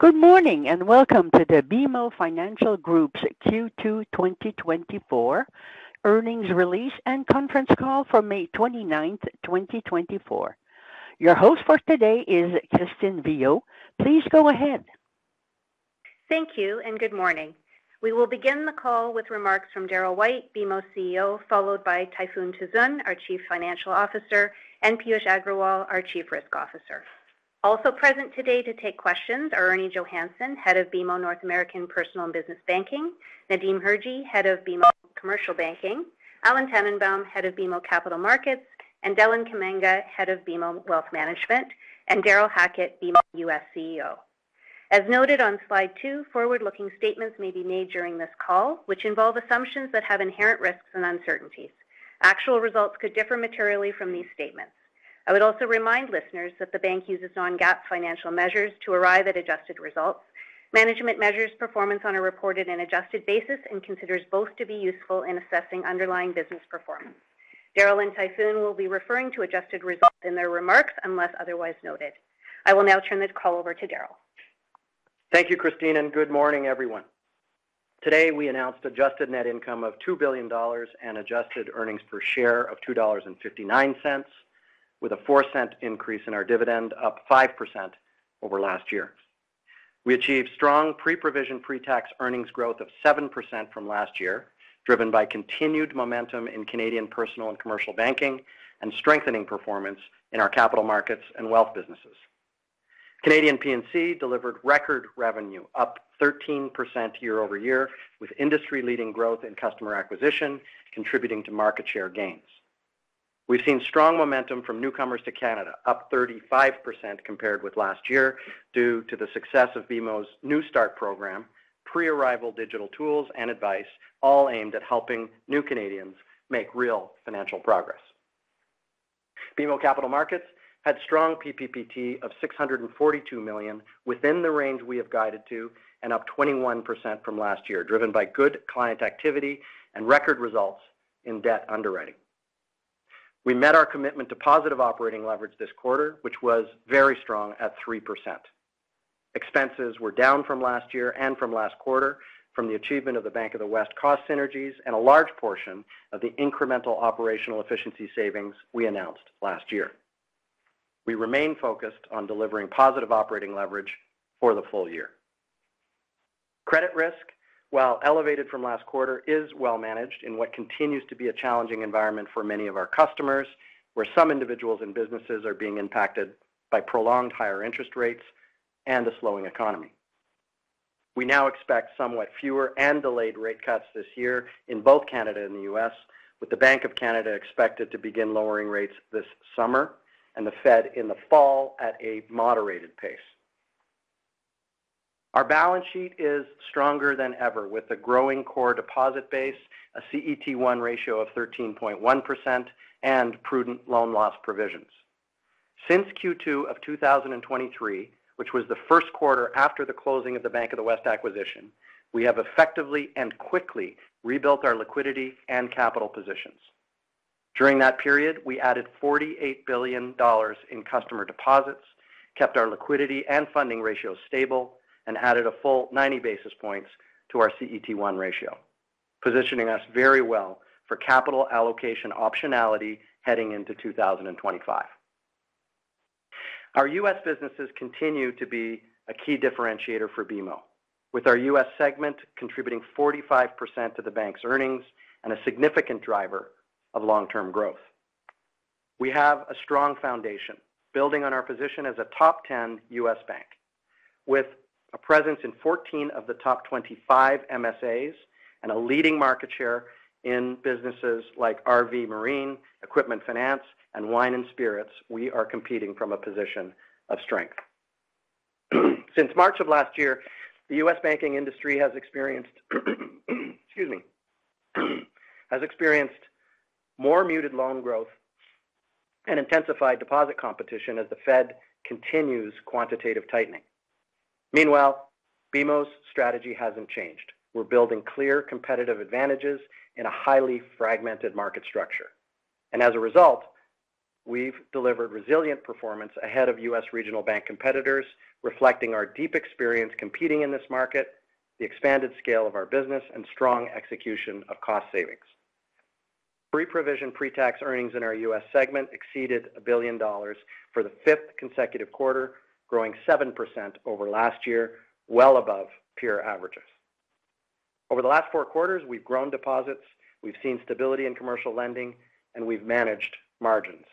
Good morning and welcome to the BMO Financial Group's Q2 2024 earnings release and conference call for May 29, 2024. Your host for today is Christine Viau. Please go ahead. Thank you, and good morning. We will begin the call with remarks from Darryl White, BMO CEO, followed by Tayfun Tuzun, our Chief Financial Officer, and Piyush Agrawal, our Chief Risk Officer. Also present today to take questions are Ernie Johannson, Head of BMO North American Personal and Business Banking, Nadim Hirji, Head of BMO Commercial Banking, Alan Tannenbaum, Head of BMO Capital Markets, and Deland Kamanga, Head of BMO Wealth Management, and Darrel Hackett, BMO U.S. CEO. As noted on slide 2, forward-looking statements may be made during this call, which involve assumptions that have inherent risks and uncertainties. Actual results could differ materially from these statements. I would also remind listeners that the bank uses non-GAAP financial measures to arrive at adjusted results, management measures performance on a reported and adjusted basis, and considers both to be useful in assessing underlying business performance. Darryl and Tayfun will be referring to adjusted results in their remarks unless otherwise noted. I will now turn the call over to Darryl. Thank you, Christine, and good morning, everyone. Today we announced adjusted net income of 2 billion dollars and adjusted earnings per share of 2.59 dollars, with a 0.04 increase in our dividend, up 5% over last year. We achieved strong pre-provision pre-tax earnings growth of 7% from last year, driven by continued momentum in Canadian personal and commercial banking and strengthening performance in our capital markets and wealth businesses. Canadian P&C delivered record revenue, up 13% year-over-year, with industry-leading growth in customer acquisition contributing to market share gains. We've seen strong momentum from newcomers to Canada, up 35% compared with last year due to the success of BMO's NewStart program, pre-arrival digital tools, and advice, all aimed at helping new Canadians make real financial progress. BMO Capital Markets had strong PPPT of 642 million within the range we have guided to and up 21% from last year, driven by good client activity and record results in debt underwriting. We met our commitment to positive operating leverage this quarter, which was very strong at 3%. Expenses were down from last year and from last quarter from the achievement of the Bank of the West cost synergies and a large portion of the incremental operational efficiency savings we announced last year. We remain focused on delivering positive operating leverage for the full year. Credit risk, while elevated from last quarter, is well-managed in what continues to be a challenging environment for many of our customers, where some individuals and businesses are being impacted by prolonged higher interest rates and a slowing economy. We now expect somewhat fewer and delayed rate cuts this year in both Canada and the U.S., with the Bank of Canada expected to begin lowering rates this summer and the Fed in the fall at a moderated pace. Our balance sheet is stronger than ever, with a growing core deposit base, a CET1 ratio of 13.1%, and prudent loan loss provisions. Since Q2 of 2023, which was the first quarter after the closing of the Bank of the West acquisition, we have effectively and quickly rebuilt our liquidity and capital positions. During that period, we added 48 billion dollars in customer deposits, kept our liquidity and funding ratios stable, and added a full 90 basis points to our CET1 ratio, positioning us very well for capital allocation optionality heading into 2025. Our U.S. businesses continue to be a key differentiator for BMO, with our U.S. segment contributing 45% to the bank's earnings and a significant driver of long-term growth. We have a strong foundation building on our position as a top 10 U.S. bank. With a presence in 14 of the top 25 MSAs and a leading market share in businesses like RV Marine, Equipment Finance, and Wine and Spirits, we are competing from a position of strength. Since March of last year, the U.S. banking industry has experienced more muted loan growth and intensified deposit competition as the Fed continues quantitative tightening. Meanwhile, BMO's strategy hasn't changed. We're building clear competitive advantages in a highly fragmented market structure. And as a result, we've delivered resilient performance ahead of U.S. regional bank competitors, reflecting our deep experience competing in this market, the expanded scale of our business, and strong execution of cost savings. Pre-provision pre-tax earnings in our U.S. segment exceeded 1 billion dollars for the fifth consecutive quarter, growing 7% over last year, well above peer averages. Over the last four quarters, we've grown deposits, we've seen stability in commercial lending, and we've managed margins.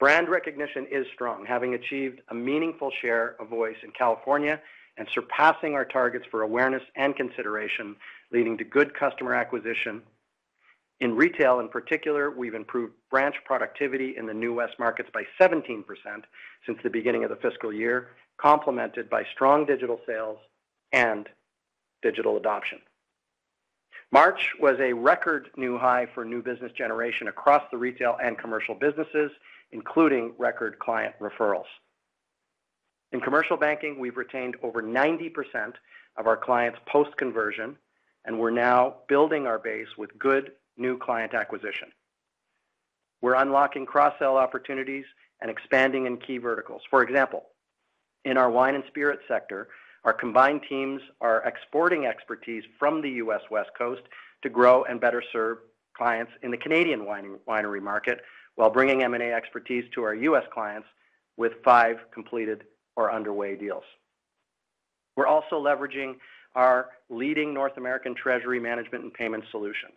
Brand recognition is strong, having achieved a meaningful share of voice in California and surpassing our targets for awareness and consideration, leading to good customer acquisition. In retail in particular, we've improved branch productivity in the New West markets by 17% since the beginning of the fiscal year, complemented by strong digital sales and digital adoption. March was a record new high for new business generation across the retail and commercial businesses, including record client referrals. In commercial banking, we've retained over 90% of our clients post-conversion, and we're now building our base with good new client acquisition. We're unlocking cross-sell opportunities and expanding in key verticals. For example, in our wine and spirits sector, our combined teams are exporting expertise from the U.S. West Coast to grow and better serve clients in the Canadian winery market while bringing M&A expertise to our U.S. clients with five completed or underway deals. We're also leveraging our leading North American treasury management and payment solutions.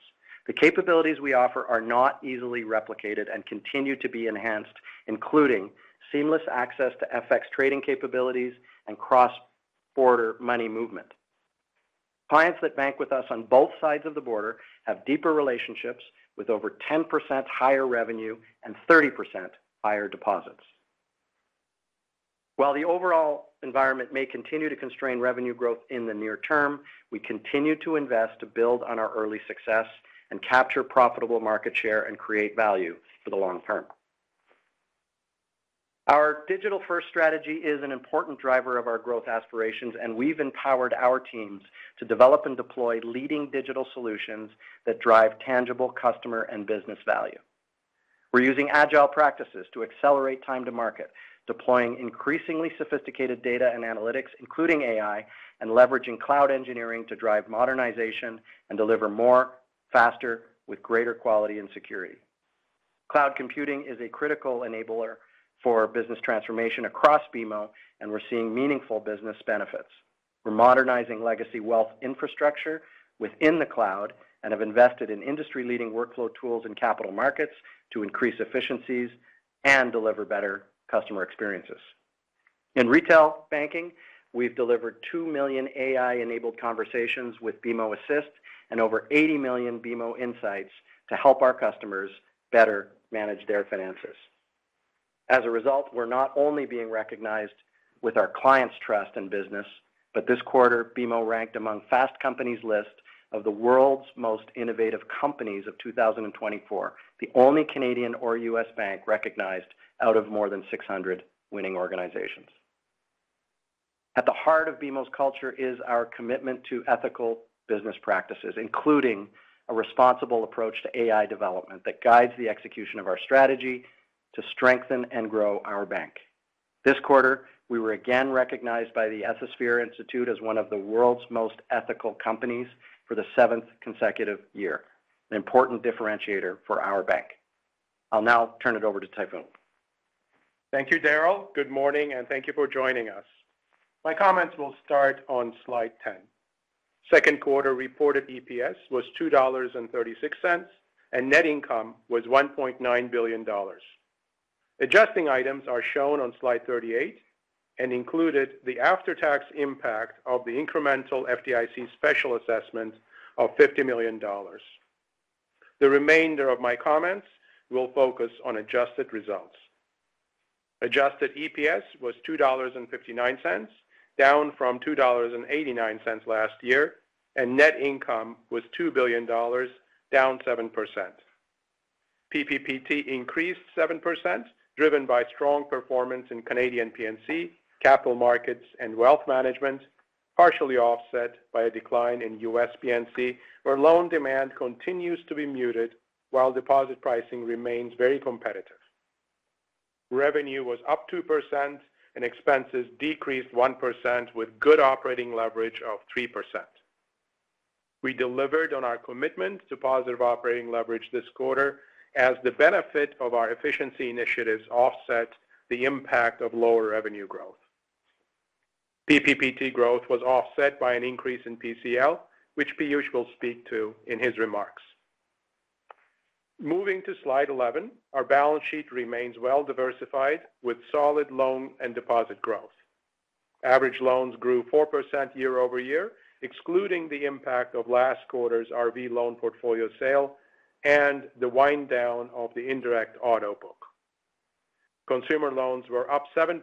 The capabilities we offer are not easily replicated and continue to be enhanced, including seamless access to FX trading capabilities and cross-border money movement. Clients that bank with us on both sides of the border have deeper relationships with over 10% higher revenue and 30% higher deposits. While the overall environment may continue to constrain revenue growth in the near term, we continue to invest to build on our early success and capture profitable market share and create value for the long term. Our digital-first strategy is an important driver of our growth aspirations, and we've empowered our teams to develop and deploy leading digital solutions that drive tangible customer and business value. We're using agile practices to accelerate time to market, deploying increasingly sophisticated data and analytics, including AI, and leveraging cloud engineering to drive modernization and deliver more, faster, with greater quality and security. Cloud computing is a critical enabler for business transformation across BMO, and we're seeing meaningful business benefits. We're modernizing legacy wealth infrastructure within the cloud and have invested in industry-leading workflow tools in capital markets to increase efficiencies and deliver better customer experiences. In retail banking, we've delivered 2 million AI-enabled conversations with BMO Assist and over 80 million BMO Insights to help our customers better manage their finances. As a result, we're not only being recognized with our clients' trust and business, but this quarter BMO ranked among Fast Company's list of the world's most innovative companies of 2024, the only Canadian or U.S. bank recognized out of more than 600 winning organizations. At the heart of BMO's culture is our commitment to ethical business practices, including a responsible approach to AI development that guides the execution of our strategy to strengthen and grow our bank. This quarter, we were again recognized by the Ethisphere Institute as one of the world's most ethical companies for the seventh consecutive year, an important differentiator for our bank. I'll now turn it over to Tayfun. Thank you, Darryl. Good morning, and thank you for joining us. My comments will start on slide 10. Second quarter reported EPS was 2.36 dollars, and net income was 1.9 billion dollars. Adjusting items are shown on slide 38 and included the after-tax impact of the incremental FDIC special assessment of 50 million dollars. The remainder of my comments will focus on adjusted results. Adjusted EPS was 2.59 dollars, down from 2.89 dollars last year, and net income was 2 billion dollars, down 7%. PPPT increased 7%, driven by strong performance in Canadian P&C, capital markets, and wealth management, partially offset by a decline in U.S. P&C where loan demand continues to be muted while deposit pricing remains very competitive. Revenue was up 2%, and expenses decreased 1% with good operating leverage of 3%. We delivered on our commitment to positive operating leverage this quarter as the benefit of our efficiency initiatives offset the impact of lower revenue growth. PPPT growth was offset by an increase in PCL, which Piyush will speak to in his remarks. Moving to slide 11, our balance sheet remains well-diversified with solid loan and deposit growth. Average loans grew 4% year-over-year, excluding the impact of last quarter's RV loan portfolio sale and the wind-down of the indirect auto book. Consumer loans were up 7%,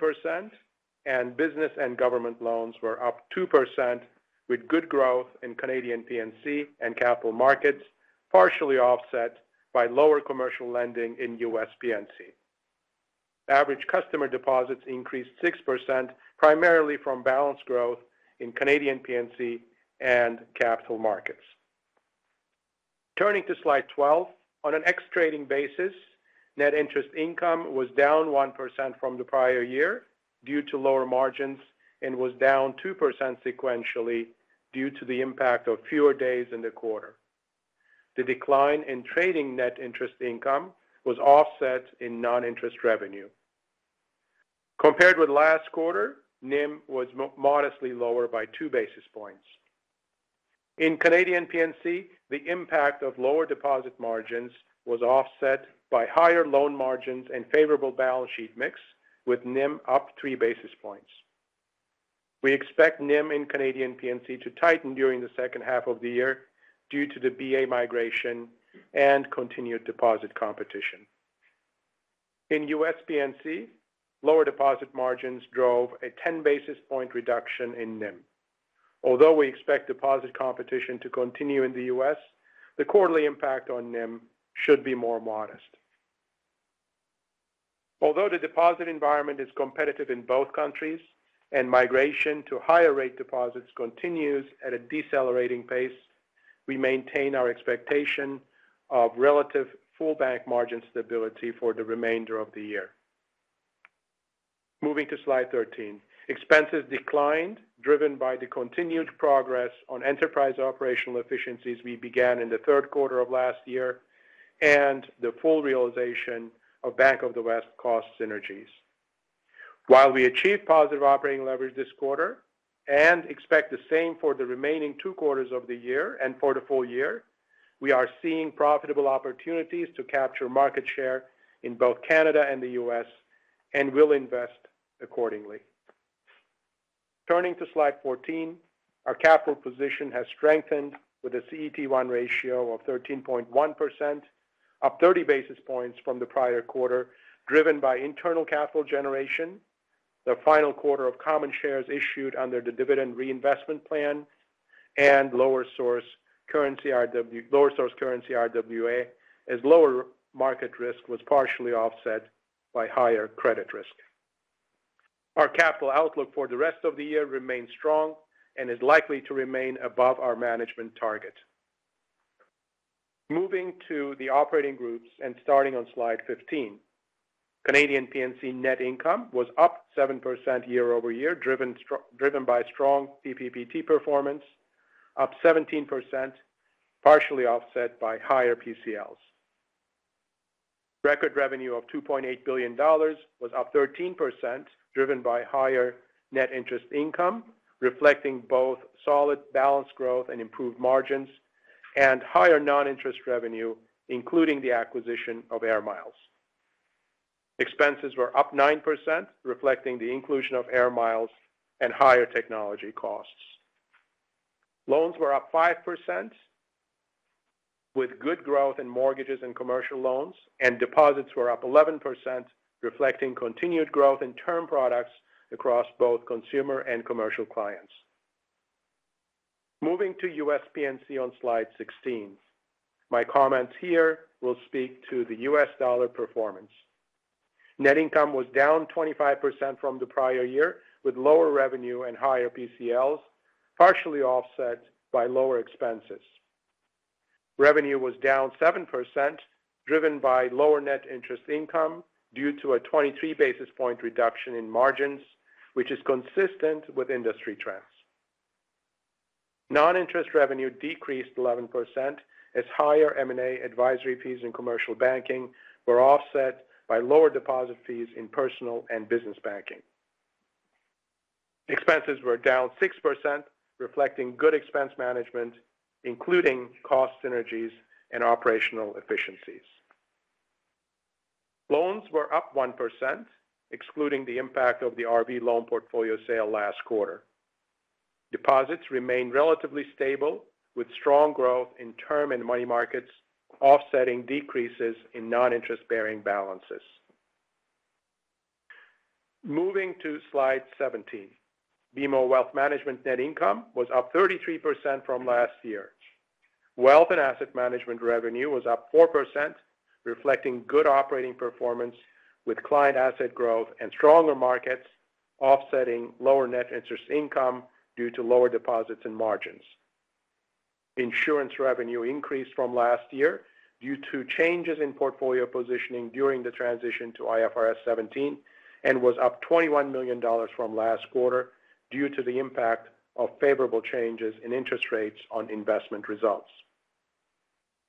and business and government loans were up 2% with good growth in Canadian P&C and capital markets, partially offset by lower commercial lending in U.S. P&C. Average customer deposits increased 6%, primarily from balance growth in Canadian P&C and capital markets. Turning to slide 12, on an ex-trading basis, net interest income was down 1% from the prior year due to lower margins and was down 2% sequentially due to the impact of fewer days in the quarter. The decline in trading net interest income was offset in non-interest revenue. Compared with last quarter, NIM was modestly lower by 2 basis points. In Canadian P&C, the impact of lower deposit margins was offset by higher loan margins and favorable balance sheet mix, with NIM up 3 basis points. We expect NIM in Canadian P&C to tighten during the second half of the year due to the BA migration and continued deposit competition. In U.S. P&C, lower deposit margins drove a 10-basis-point reduction in NIM. Although we expect deposit competition to continue in the U.S., the quarterly impact on NIM should be more modest. Although the deposit environment is competitive in both countries and migration to higher-rate deposits continues at a decelerating pace, we maintain our expectation of relative full-bank margin stability for the remainder of the year. Moving to slide 13, expenses declined, driven by the continued progress on enterprise operational efficiencies we began in the third quarter of last year and the full realization of Bank of the West cost synergies. While we achieved positive operating leverage this quarter and expect the same for the remaining two quarters of the year and for the full year, we are seeing profitable opportunities to capture market share in both Canada and the U.S. and will invest accordingly. Turning to slide 14, our capital position has strengthened with a CET1 ratio of 13.1%, up 30 basis points from the prior quarter, driven by internal capital generation, the final quarter of common shares issued under the dividend reinvestment plan, and lower-source currency RWA as lower market risk was partially offset by higher credit risk. Our capital outlook for the rest of the year remains strong and is likely to remain above our management target. Moving to the operating groups and starting on slide 15, Canadian P&C net income was up 7% year-over-year, driven by strong PPPT performance, up 17%, partially offset by higher PCLs. Record revenue of 2.8 billion dollars was up 13%, driven by higher net interest income, reflecting both solid balance growth and improved margins, and higher non-interest revenue, including the acquisition of AIR MILES. Expenses were up 9%, reflecting the inclusion of AIR MILES and higher technology costs. Loans were up 5% with good growth in mortgages and commercial loans, and deposits were up 11%, reflecting continued growth in term products across both consumer and commercial clients. Moving to U.S. P&C on slide 16, my comments here will speak to the U.S. dollar performance. Net income was down 25% from the prior year with lower revenue and higher PCLs, partially offset by lower expenses. Revenue was down 7%, driven by lower net interest income due to a 23 basis point reduction in margins, which is consistent with industry trends. Non-interest revenue decreased 11% as higher M&A advisory fees in commercial banking were offset by lower deposit fees in personal and business banking. Expenses were down 6%, reflecting good expense management, including cost synergies and operational efficiencies. Loans were up 1%, excluding the impact of the RV loan portfolio sale last quarter. Deposits remained relatively stable, with strong growth in term and money markets offsetting decreases in non-interest-bearing balances. Moving to slide 17, BMO Wealth Management net income was up 33% from last year. Wealth and asset management revenue was up 4%, reflecting good operating performance with client asset growth and stronger markets offsetting lower net interest income due to lower deposits and margins. Insurance revenue increased from last year due to changes in portfolio positioning during the transition to IFRS 17 and was up 21 million dollars from last quarter due to the impact of favorable changes in interest rates on investment results.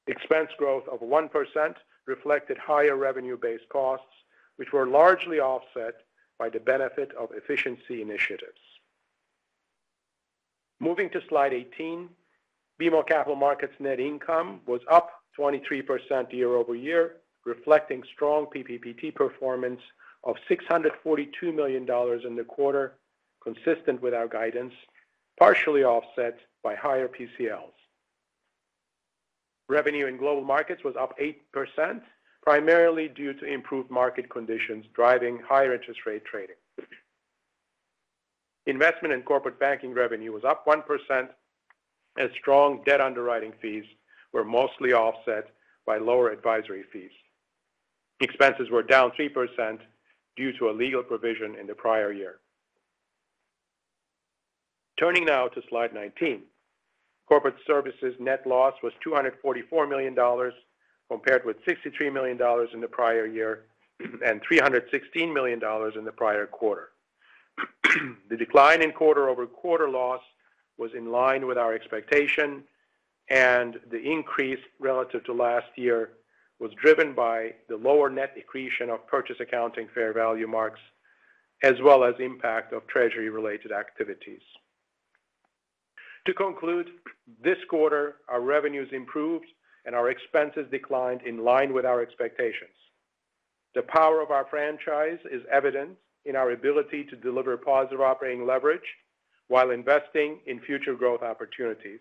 Expense growth of 1% reflected higher revenue-based costs, which were largely offset by the benefit of efficiency initiatives. Moving to slide 18, BMO Capital Markets net income was up 23% year-over-year, reflecting strong PPPT performance of 642 million dollars in the quarter, consistent with our guidance, partially offset by higher PCLs. Revenue in global markets was up 8%, primarily due to improved market conditions driving higher interest-rate trading. Investment and corporate banking revenue was up 1% as strong debt underwriting fees were mostly offset by lower advisory fees. Expenses were down 3% due to a legal provision in the prior year. Turning now to slide 19, corporate services net loss was 244 million dollars compared with 63 million dollars in the prior year and 316 million dollars in the prior quarter. The decline in quarter-over-quarter loss was in line with our expectation, and the increase relative to last year was driven by the lower net accretion of purchase accounting fair value marks as well as impact of treasury-related activities. To conclude, this quarter our revenues improved and our expenses declined in line with our expectations. The power of our franchise is evident in our ability to deliver positive operating leverage while investing in future growth opportunities.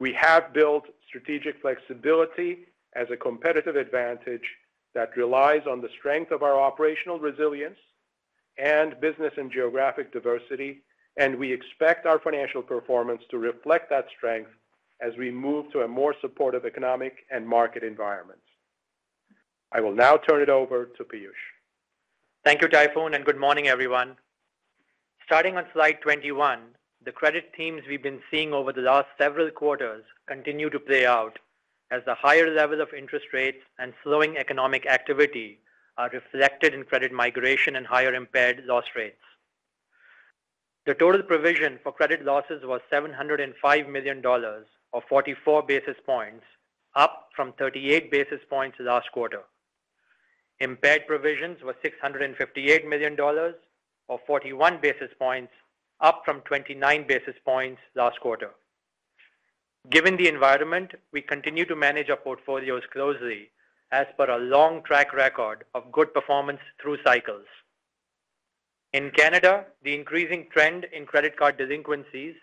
We have built strategic flexibility as a competitive advantage that relies on the strength of our operational resilience and business and geographic diversity, and we expect our financial performance to reflect that strength as we move to a more supportive economic and market environment. I will now turn it over to Piyush. Thank you, Tayfun, and good morning, everyone. Starting on slide 21, the credit themes we've been seeing over the last several quarters continue to play out as the higher level of interest rates and slowing economic activity are reflected in credit migration and higher impaired loss rates. The total provision for credit losses was 705 million dollars or 44 basis points, up from 38 basis points last quarter. Impaired provisions were 658 million dollars or 41 basis points, up from 29 basis points last quarter. Given the environment, we continue to manage our portfolios closely as per a long track record of good performance through cycles. In Canada, the increasing trend in credit card delinquencies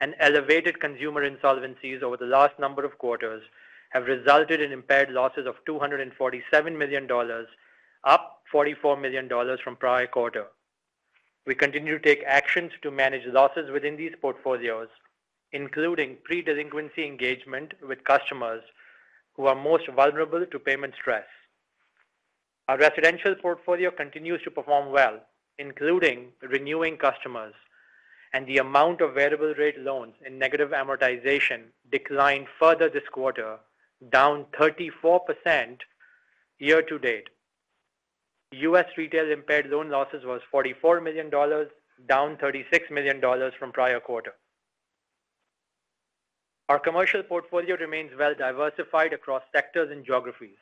and elevated consumer insolvencies over the last number of quarters have resulted in impaired losses of 247 million dollars, up 44 million dollars from prior quarter. We continue to take actions to manage losses within these portfolios, including pre-delinquency engagement with customers who are most vulnerable to payment stress. Our residential portfolio continues to perform well, including renewing customers, and the amount of variable-rate loans in negative amortization declined further this quarter, down 34% year to date. U.S. retail impaired loan losses were 44 million dollars, down 36 million dollars from prior quarter. Our commercial portfolio remains well-diversified across sectors and geographies.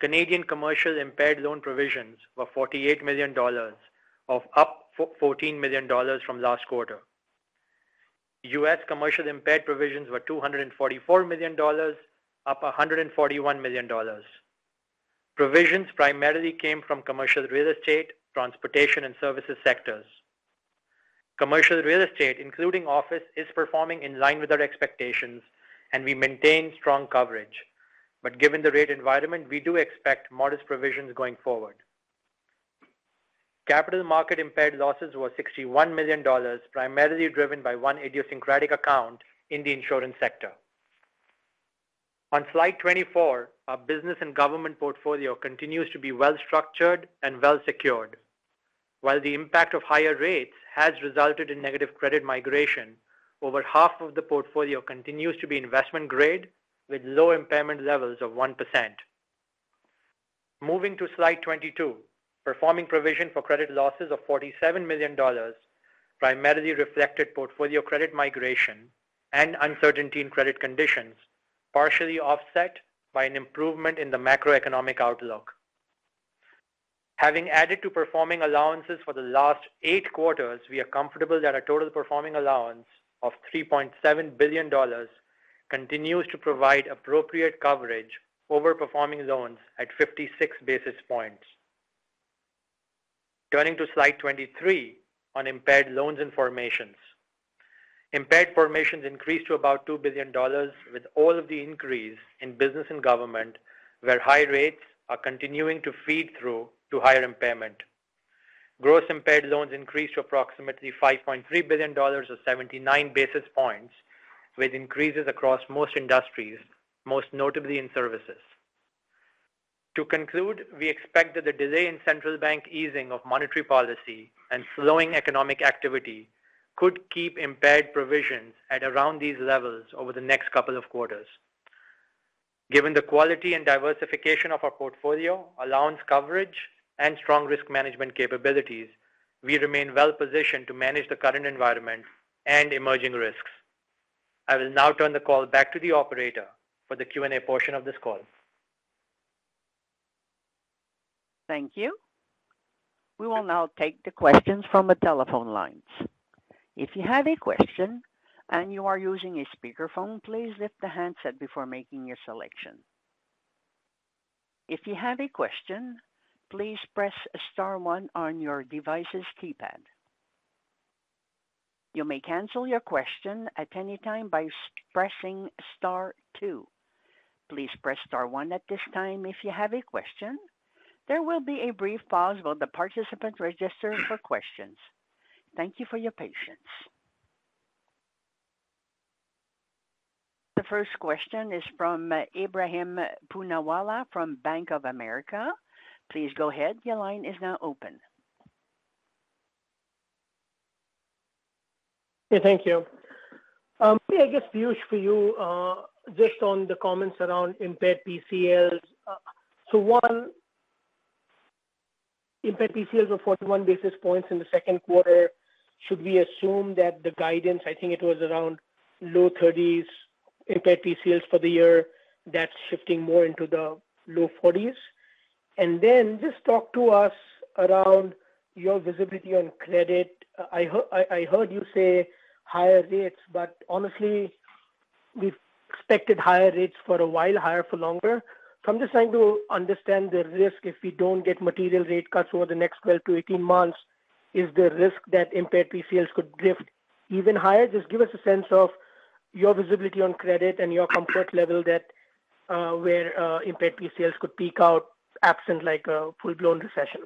Canadian commercial impaired loan provisions were 48 million dollars, up 14 million dollars from last quarter. U.S. commercial impaired provisions were 244 million dollars, up 141 million dollars. Provisions primarily came from commercial real estate, transportation, and services sectors. Commercial real estate, including office, is performing in line with our expectations, and we maintain strong coverage. But given the rate environment, we do expect modest provisions going forward. Capital Markets impaired losses were 61 million dollars, primarily driven by one idiosyncratic account in the insurance sector. On slide 24, our business and government portfolio continues to be well-structured and well-secured. While the impact of higher rates has resulted in negative credit migration, over half of the portfolio continues to be investment-grade with low impairment levels of 1%. Moving to slide 22, performing provision for credit losses of 47 million dollars primarily reflected portfolio credit migration and uncertainty in credit conditions, partially offset by an improvement in the macroeconomic outlook. Having added to performing allowances for the last eight quarters, we are comfortable that a total performing allowance of 3.7 billion dollars continues to provide appropriate coverage over performing loans at 56 basis points. Turning to slide 23 on impaired loans and formations, impaired formations increased to about 2 billion dollars with all of the increase in business and government where high rates are continuing to feed through to higher impairment. Gross impaired loans increased to approximately 5.3 billion dollars or 79 basis points, with increases across most industries, most notably in services. To conclude, we expect that the delay in central bank easing of monetary policy and slowing economic activity could keep impaired provisions at around these levels over the next couple of quarters. Given the quality and diversification of our portfolio, allowance coverage, and strong risk management capabilities, we remain well-positioned to manage the current environment and emerging risks. I will now turn the call back to the operator for the Q&A portion of this call. Thank you. We will now take the questions from the telephone lines. If you have a question and you are using a speakerphone, please lift the handset before making your selection. If you have a question, please press star 1 on your device's keypad. You may cancel your question at any time by pressing star 2. Please press star 1 at this time if you have a question. There will be a brief pause while the participants register for questions. Thank you for your patience. The first question is from Ebrahim Poonawala from Bank of America. Please go ahead. Your line is now open. Yeah, thank you. Yeah, I guess, Piyush, for you, just on the comments around impaired PCLs. So one, impaired PCLs were 41 basis points in the second quarter. Should we assume that the guidance I think it was around low 30s impaired PCLs for the year that's shifting more into the low 40s? And then just talk to us around your visibility on credit. I heard you say higher rates, but honestly, we've expected higher rates for a while, higher for longer. So I'm just trying to understand the risk if we don't get material rate cuts over the next 12-18 months, is the risk that impaired PCLs could drift even higher? Just give us a sense of your visibility on credit and your comfort level where impaired PCLs could peak out absent a full-blown recession.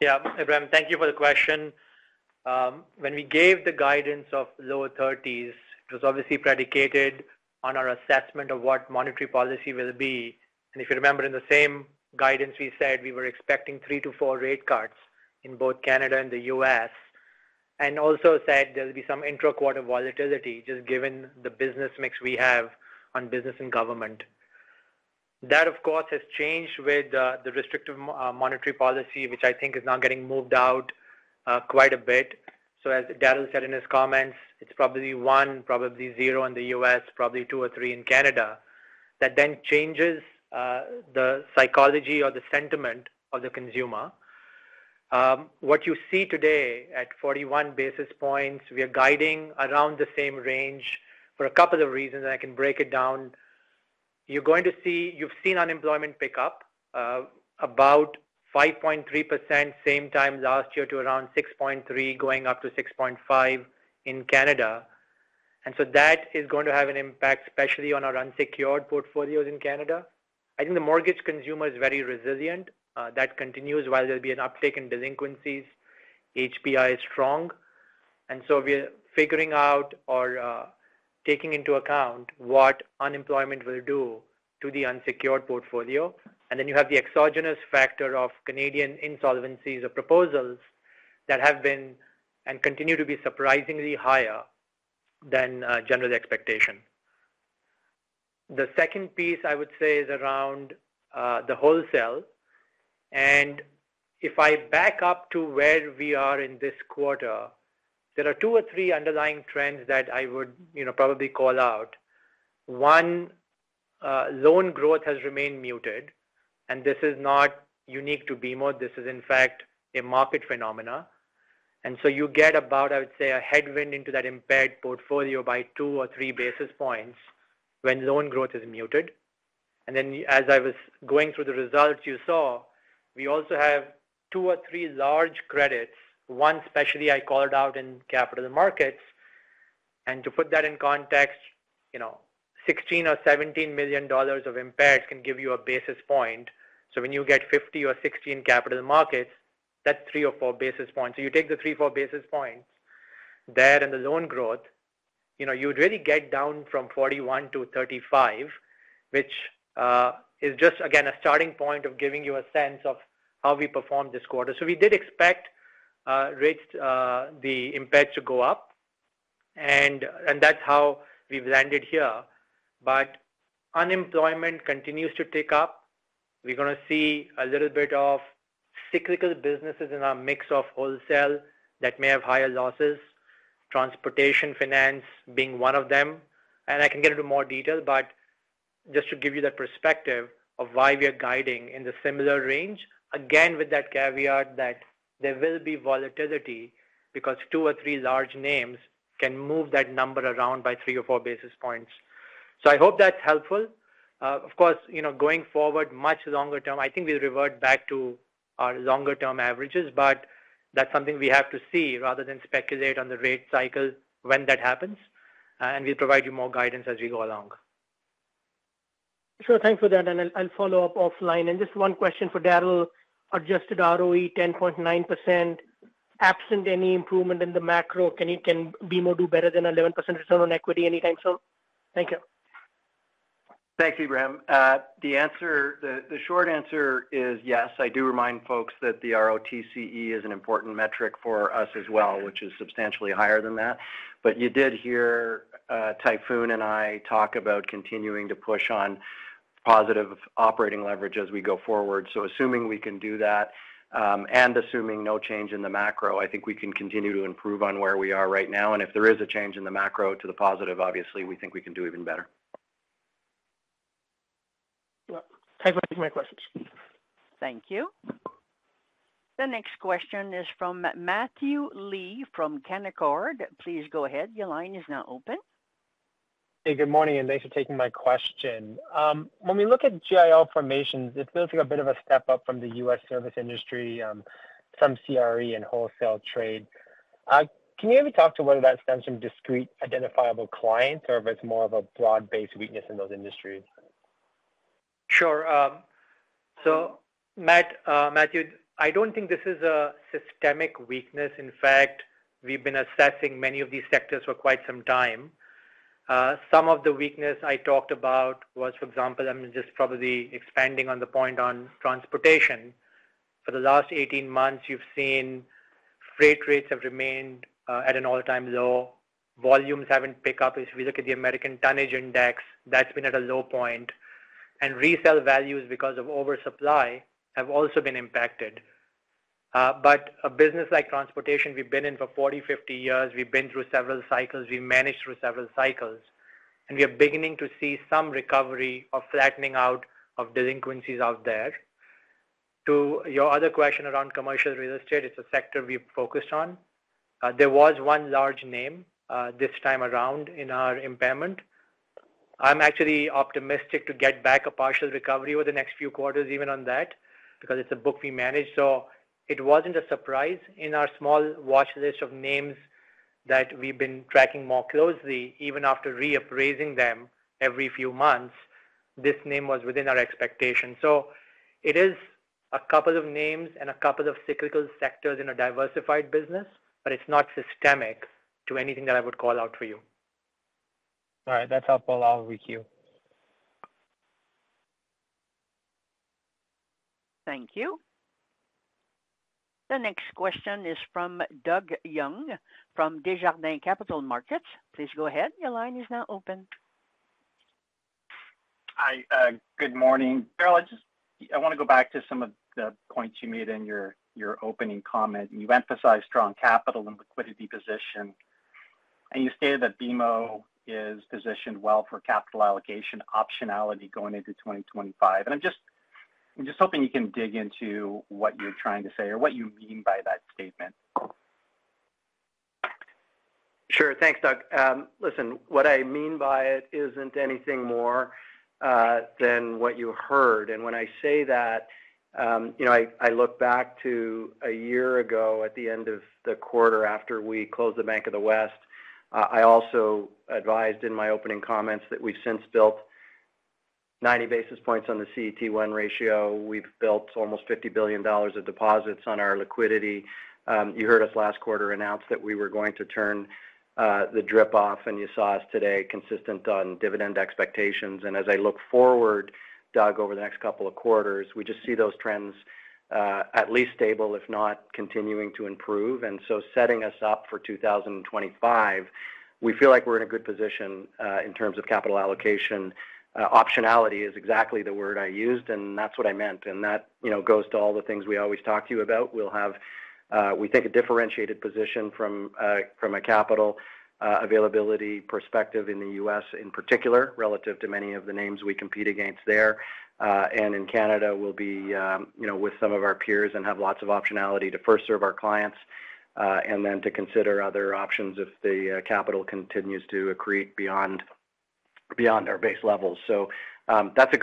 Yeah, Ebrahim, thank you for the question. When we gave the guidance of lower 30s, it was obviously predicated on our assessment of what monetary policy will be. If you remember, in the same guidance, we said we were expecting 3-4 rate cuts in both Canada and the U.S. and also said there'll be some intra-quarter volatility just given the business mix we have on business and government. That, of course, has changed with the restrictive monetary policy, which I think is now getting moved out quite a bit. As Darryl said in his comments, it's probably 1, probably 0 in the U.S., probably 2 or 3 in Canada. That then changes the psychology or the sentiment of the consumer. What you see today at 41 basis points, we are guiding around the same range for a couple of reasons, and I can break it down. You've seen unemployment pick up about 5.3%, same time last year to around 6.3%, going up to 6.5% in Canada. And so that is going to have an impact, especially on our unsecured portfolios in Canada. I think the mortgage consumer is very resilient. That continues while there'll be an uptick in delinquencies. HPI is strong. And so we are figuring out or taking into account what unemployment will do to the unsecured portfolio. And then you have the exogenous factor of Canadian insolvencies or proposals that have been and continue to be surprisingly higher than general expectation. The second piece, I would say, is around the wholesale. And if I back up to where we are in this quarter, there are two or three underlying trends that I would probably call out. One, loan growth has remained muted, and this is not unique to BMO. This is, in fact, a market phenomenon. So you get about, I would say, a headwind into that impaired portfolio by 2 or 3 basis points when loan growth is muted. Then as I was going through the results, you saw we also have 2 or 3 large credits, one especially I called out in capital markets. To put that in context, 16 or 17 million dollars of impaired can give you a basis point. So when you get 50 or 60 in capital markets, that's 3 or 4 basis points. So you take the 3 or 4 basis points there and the loan growth, you'd really get down from 41 to 35, which is just, again, a starting point of giving you a sense of how we performed this quarter. So we did expect the impaired to go up, and that's how we've landed here. But unemployment continues to tick up. We're going to see a little bit of cyclical businesses in our mix of wholesale that may have higher losses, Transportation Finance being one of them. And I can get into more detail, but just to give you that perspective of why we are guiding in the similar range, again, with that caveat that there will be volatility because 2 or 3 large names can move that number around by 3 or 4 basis points. So I hope that's helpful. Of course, going forward, much longer term, I think we'll revert back to our longer-term averages, but that's something we have to see rather than speculate on the rate cycle when that happens. And we'll provide you more guidance as we go along. Sure. Thanks for that. I'll follow up offline. Just one question for Darryl. Adjusted ROE 10.9%, absent any improvement in the macro, can BMO do better than 11% return on equity anytime soon? Thank you. Thanks, Ibrahim. The short answer is yes. I do remind folks that the ROTCE is an important metric for us as well, which is substantially higher than that. But you did hear Tayfun and I talk about continuing to push on positive operating leverage as we go forward. So assuming we can do that and assuming no change in the macro, I think we can continue to improve on where we are right now. And if there is a change in the macro to the positive, obviously, we think we can do even better. Yeah. Thanks for taking my questions. Thank you. The next question is from Matthew Lee from Canaccord. Please go ahead. Your line is now open. Hey, good morning, and thanks for taking my question. When we look at GIL formations, it feels like a bit of a step up from the U.S. service industry, some CRE, and wholesale trade. Can you maybe talk to whether that stems from discrete identifiable clients or if it's more of a broad-based weakness in those industries? Sure. So Matthew, I don't think this is a systemic weakness. In fact, we've been assessing many of these sectors for quite some time. Some of the weakness I talked about was, for example, I'm just probably expanding on the point on transportation. For the last 18 months, you've seen freight rates have remained at an all-time low. Volumes haven't picked up. If we look at the American Tonnage Index, that's been at a low point. And resale values because of oversupply have also been impacted. But a business like transportation, we've been in for 40, 50 years. We've been through several cycles. We've managed through several cycles. And we are beginning to see some recovery or flattening out of delinquencies out there. To your other question around commercial real estate, it's a sector we've focused on. There was one large name this time around in our impairment. I'm actually optimistic to get back a partial recovery over the next few quarters, even on that, because it's a book we manage. It wasn't a surprise in our small watchlist of names that we've been tracking more closely, even after reappraising them every few months. This name was within our expectation. It is a couple of names and a couple of cyclical sectors in a diversified business, but it's not systemic to anything that I would call out for you. All right. That's helpful. I'll review it. Thank you. The next question is from Doug Young from Desjardins Capital Markets. Please go ahead. Your line is now open. Hi. Good morning. Darryl, I want to go back to some of the points you made in your opening comment. You emphasized strong capital and liquidity position, and you stated that BMO is positioned well for capital allocation optionality going into 2025. I'm just hoping you can dig into what you're trying to say or what you mean by that statement? Sure. Thanks, Doug. Listen, what I mean by it isn't anything more than what you heard. And when I say that, I look back to a year ago at the end of the quarter after we closed the Bank of the West. I also advised in my opening comments that we've since built 90 basis points on the CET1 ratio. We've built almost 50 billion dollars of deposits on our liquidity. You heard us last quarter announce that we were going to turn the DRIP off, and you saw us today consistent on dividend expectations. And as I look forward, Doug, over the next couple of quarters, we just see those trends at least stable, if not continuing to improve. And so setting us up for 2025, we feel like we're in a good position in terms of capital allocation. Optionality is exactly the word I used, and that's what I meant. And that goes to all the things we always talk to you about. We'll have, we think, a differentiated position from a capital availability perspective in the U.S. in particular, relative to many of the names we compete against there. And in Canada, we'll be with some of our peers and have lots of optionality to first serve our clients and then to consider other options if the capital continues to accrete beyond our base levels. So that's a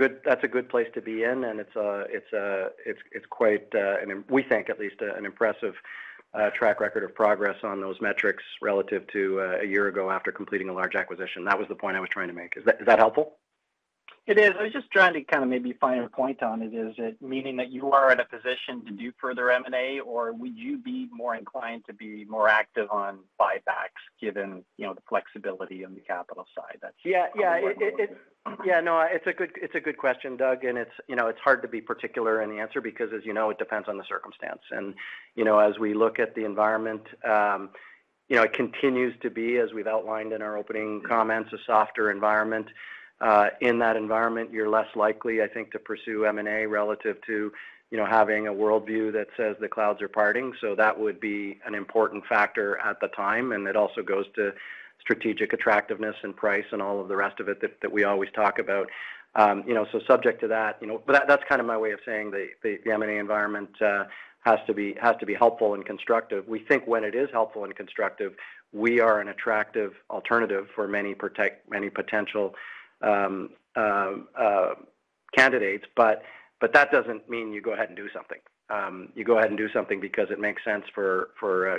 good place to be in, and it's quite, we think at least, an impressive track record of progress on those metrics relative to a year ago after completing a large acquisition. That was the point I was trying to make. Is that helpful? It is. I was just trying to kind of maybe find a point on it. Is it meaning that you are in a position to do further M&A, or would you be more inclined to be more active on buybacks given the flexibility on the capital side? Yeah. Yeah. Yeah. No, it's a good question, Doug, and it's hard to be particular in the answer because, as you know, it depends on the circumstance. And as we look at the environment, it continues to be, as we've outlined in our opening comments, a softer environment. In that environment, you're less likely, I think, to pursue M&A relative to having a worldview that says the clouds are parting. So that would be an important factor at the time. And it also goes to strategic attractiveness and price and all of the rest of it that we always talk about. So subject to that but that's kind of my way of saying the M&A environment has to be helpful and constructive. We think when it is helpful and constructive, we are an attractive alternative for many potential candidates. But that doesn't mean you go ahead and do something. You go ahead and do something because it makes sense for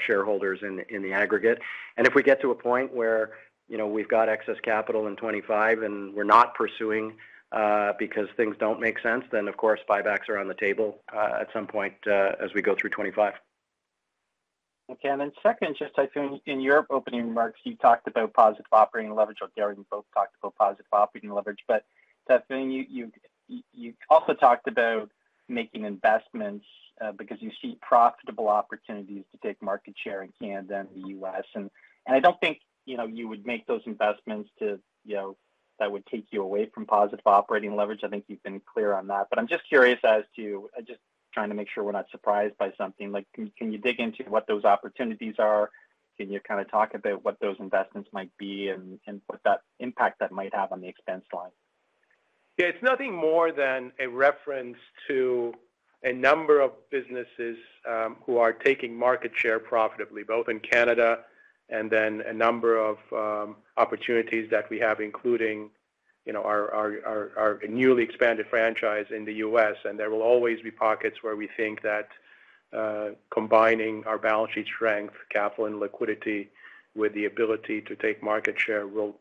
shareholders in the aggregate. If we get to a point where we've got excess capital in 2025 and we're not pursuing because things don't make sense, then, of course, buybacks are on the table at some point as we go through 2025. Okay. Second, just Tayfun, in your opening remarks, you talked about positive operating leverage. Darryl and you both talked about positive operating leverage. But Tayfun, you also talked about making investments because you see profitable opportunities to take market share in Canada and the U.S. I don't think you would make those investments that would take you away from positive operating leverage. I think you've been clear on that. But I'm just curious as to, I'm just trying to make sure we're not surprised by something. Can you dig into what those opportunities are? Can you kind of talk about what those investments might be and what impact that might have on the expense line? Yeah. It's nothing more than a reference to a number of businesses who are taking market share profitably, both in Canada and then a number of opportunities that we have, including our newly expanded franchise in the U.S. And there will always be pockets where we think that combining our balance sheet strength, capital, and liquidity with the ability to take market share will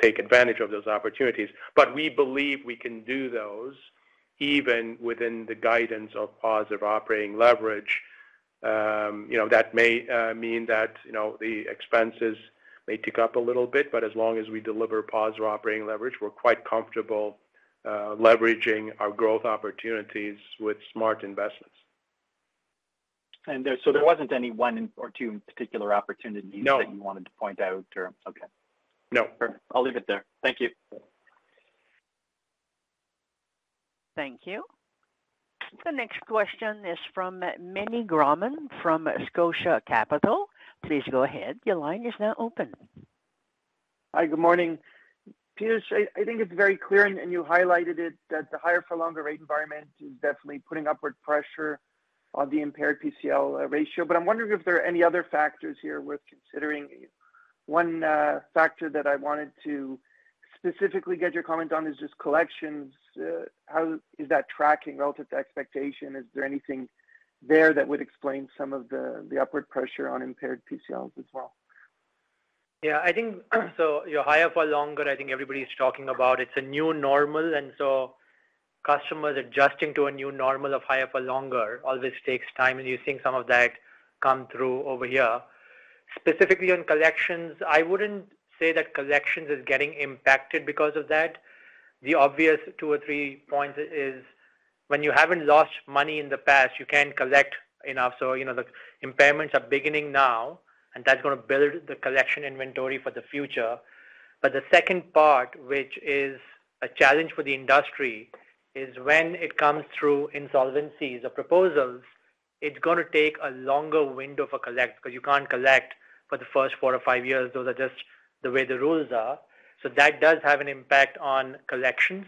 take advantage of those opportunities. But we believe we can do those even within the guidance of positive operating leverage. That may mean that the expenses may tick up a little bit, but as long as we deliver positive operating leverage, we're quite comfortable leveraging our growth opportunities with smart investments. And so there wasn't any one or two in particular opportunities that you wanted to point out or? No. Okay. No. I'll leave it there. Thank you. Thank you. The next question is from Meny Grauman from Scotia Capital. Please go ahead. Your line is now open. Hi. Good morning, Piyush. I think it's very clear, and you highlighted it, that the higher-for-longer rate environment is definitely putting upward pressure on the impaired PCL ratio. But I'm wondering if there are any other factors here worth considering. One factor that I wanted to specifically get your comment on is just collections. How is that tracking relative to expectation? Is there anything there that would explain some of the upward pressure on impaired PCLs as well? Yeah. So higher-for-longer, I think everybody's talking about. It's a new normal, and so customers adjusting to a new normal of higher-for-longer always takes time, and you're seeing some of that come through over here. Specifically on collections, I wouldn't say that collections is getting impacted because of that. The obvious two or three points is when you haven't lost money in the past, you can't collect enough. So the impairments are beginning now, and that's going to build the collection inventory for the future. But the second part, which is a challenge for the industry, is when it comes through insolvencies or proposals, it's going to take a longer window for collect because you can't collect for the first four or five years. Those are just the way the rules are. So that does have an impact on collections.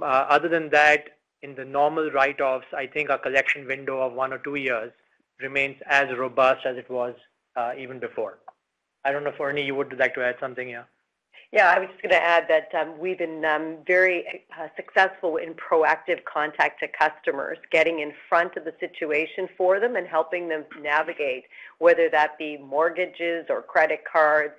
Other than that, in the normal write-offs, I think our collection window of one or two years remains as robust as it was even before. I don't know if, Ernie, you would like to add something here. Yeah. I was just going to add that we've been very successful in proactive contact to customers, getting in front of the situation for them and helping them navigate, whether that be mortgages or credit cards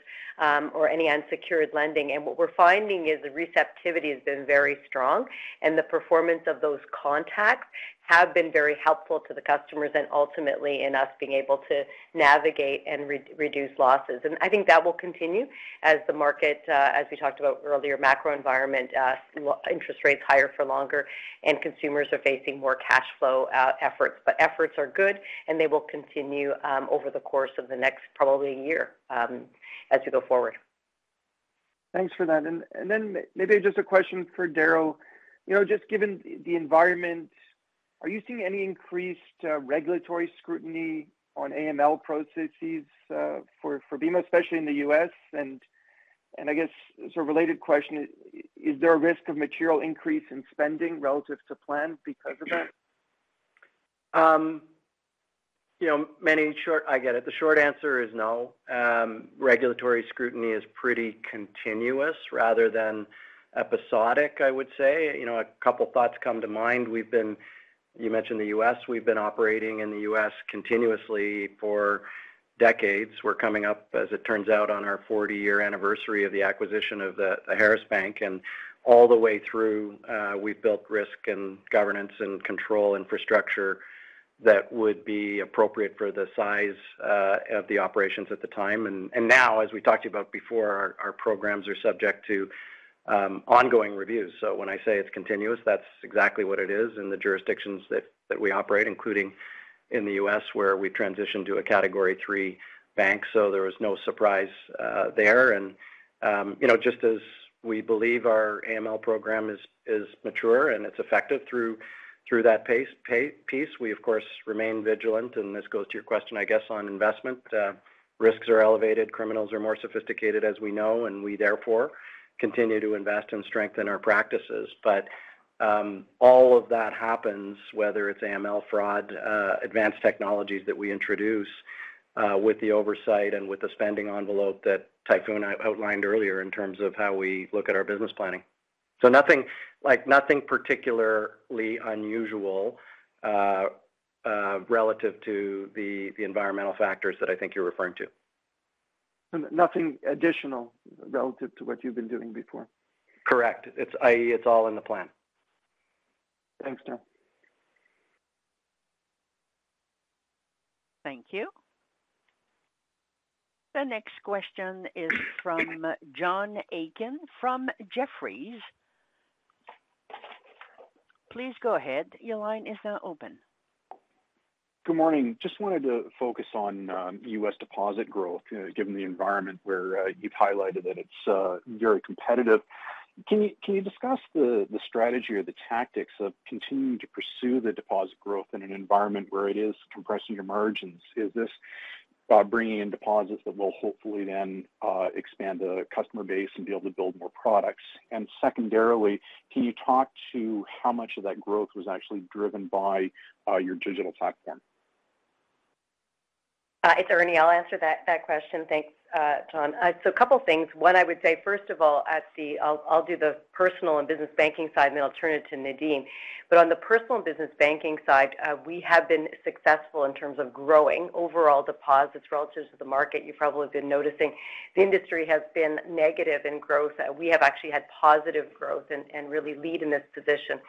or any unsecured lending. And what we're finding is the receptivity has been very strong, and the performance of those contacts have been very helpful to the customers and ultimately in us being able to navigate and reduce losses. And I think that will continue as the market, as we talked about earlier, macro environment, interest rates higher for longer, and consumers are facing more cash flow efforts. But efforts are good, and they will continue over the course of the next probably year as we go forward. Thanks for that. And then maybe just a question for Darryl. Just given the environment, are you seeing any increased regulatory scrutiny on AML processes for BMO, especially in the U.S.? And I guess, so related question, is there a risk of material increase in spending relative to plan because of that? No, I get it. The short answer is no. Regulatory scrutiny is pretty continuous rather than episodic, I would say. A couple of thoughts come to mind. You mentioned the U.S. We've been operating in the U.S. continuously for decades. We're coming up, as it turns out, on our 40-year anniversary of the acquisition of the Harris Bank. And all the way through, we've built risk and governance and control infrastructure that would be appropriate for the size of the operations at the time. And now, as we talked about before, our programs are subject to ongoing reviews. So when I say it's continuous, that's exactly what it is in the jurisdictions that we operate, including in the U.S. where we transitioned to a Category III bank. So there was no surprise there. Just as we believe our AML program is mature and it's effective through that piece, we, of course, remain vigilant. And this goes to your question, I guess, on investment. Risks are elevated. Criminals are more sophisticated, as we know, and we therefore continue to invest and strengthen our practices. But all of that happens, whether it's AML fraud, advanced technologies that we introduce with the oversight and with the spending envelope that Tayfun outlined earlier in terms of how we look at our business planning. So nothing particularly unusual relative to the environmental factors that I think you're referring to. Nothing additional relative to what you've been doing before? Correct. i.e., it's all in the plan. Thanks, Darryl. Thank you. The next question is from John Aiken from Jefferies. Please go ahead. Your line is now open. Good morning. Just wanted to focus on U.S. deposit growth given the environment where you've highlighted that it's very competitive. Can you discuss the strategy or the tactics of continuing to pursue the deposit growth in an environment where it is compressing your margins? Is this bringing in deposits that will hopefully then expand the customer base and be able to build more products? And secondarily, can you talk to how much of that growth was actually driven by your digital platform? It's Ernie. I'll answer that question. Thanks, John. So a couple of things. One, I would say, first of all, I'll do the personal and business banking side, and then I'll turn it to Nadim. But on the personal and business banking side, we have been successful in terms of growing overall deposits relative to the market. You've probably been noticing the industry has been negative in growth. We have actually had positive growth and really lead in this position.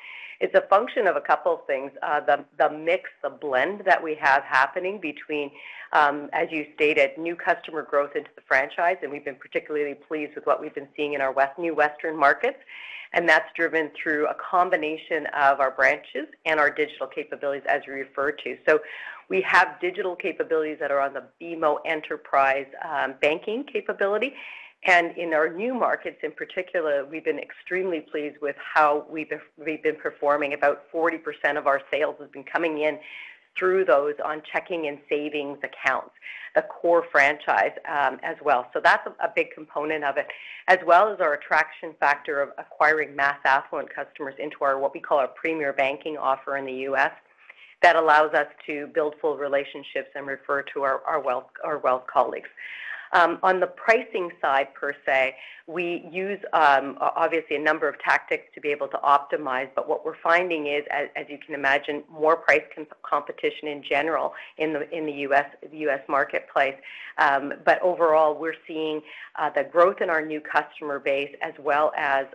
It's a function of a couple of things, the mix, the blend that we have happening between, as you stated, new customer growth into the franchise. And we've been particularly pleased with what we've been seeing in our new Western markets. And that's driven through a combination of our branches and our digital capabilities, as you referred to. We have digital capabilities that are on the BMO enterprise banking capability. In our new markets in particular, we've been extremely pleased with how we've been performing. About 40% of our sales has been coming in through those on checking and savings accounts, the core franchise as well. That's a big component of it, as well as our attraction factor of acquiring mass affluent customers into what we call our Premier Banking offer in the U.S. that allows us to build full relationships and refer to our wealth colleagues. On the pricing side, per se, we use obviously a number of tactics to be able to optimize. What we're finding is, as you can imagine, more price competition in general in the U.S. marketplace. Overall, we're seeing the growth in our new customer base as well as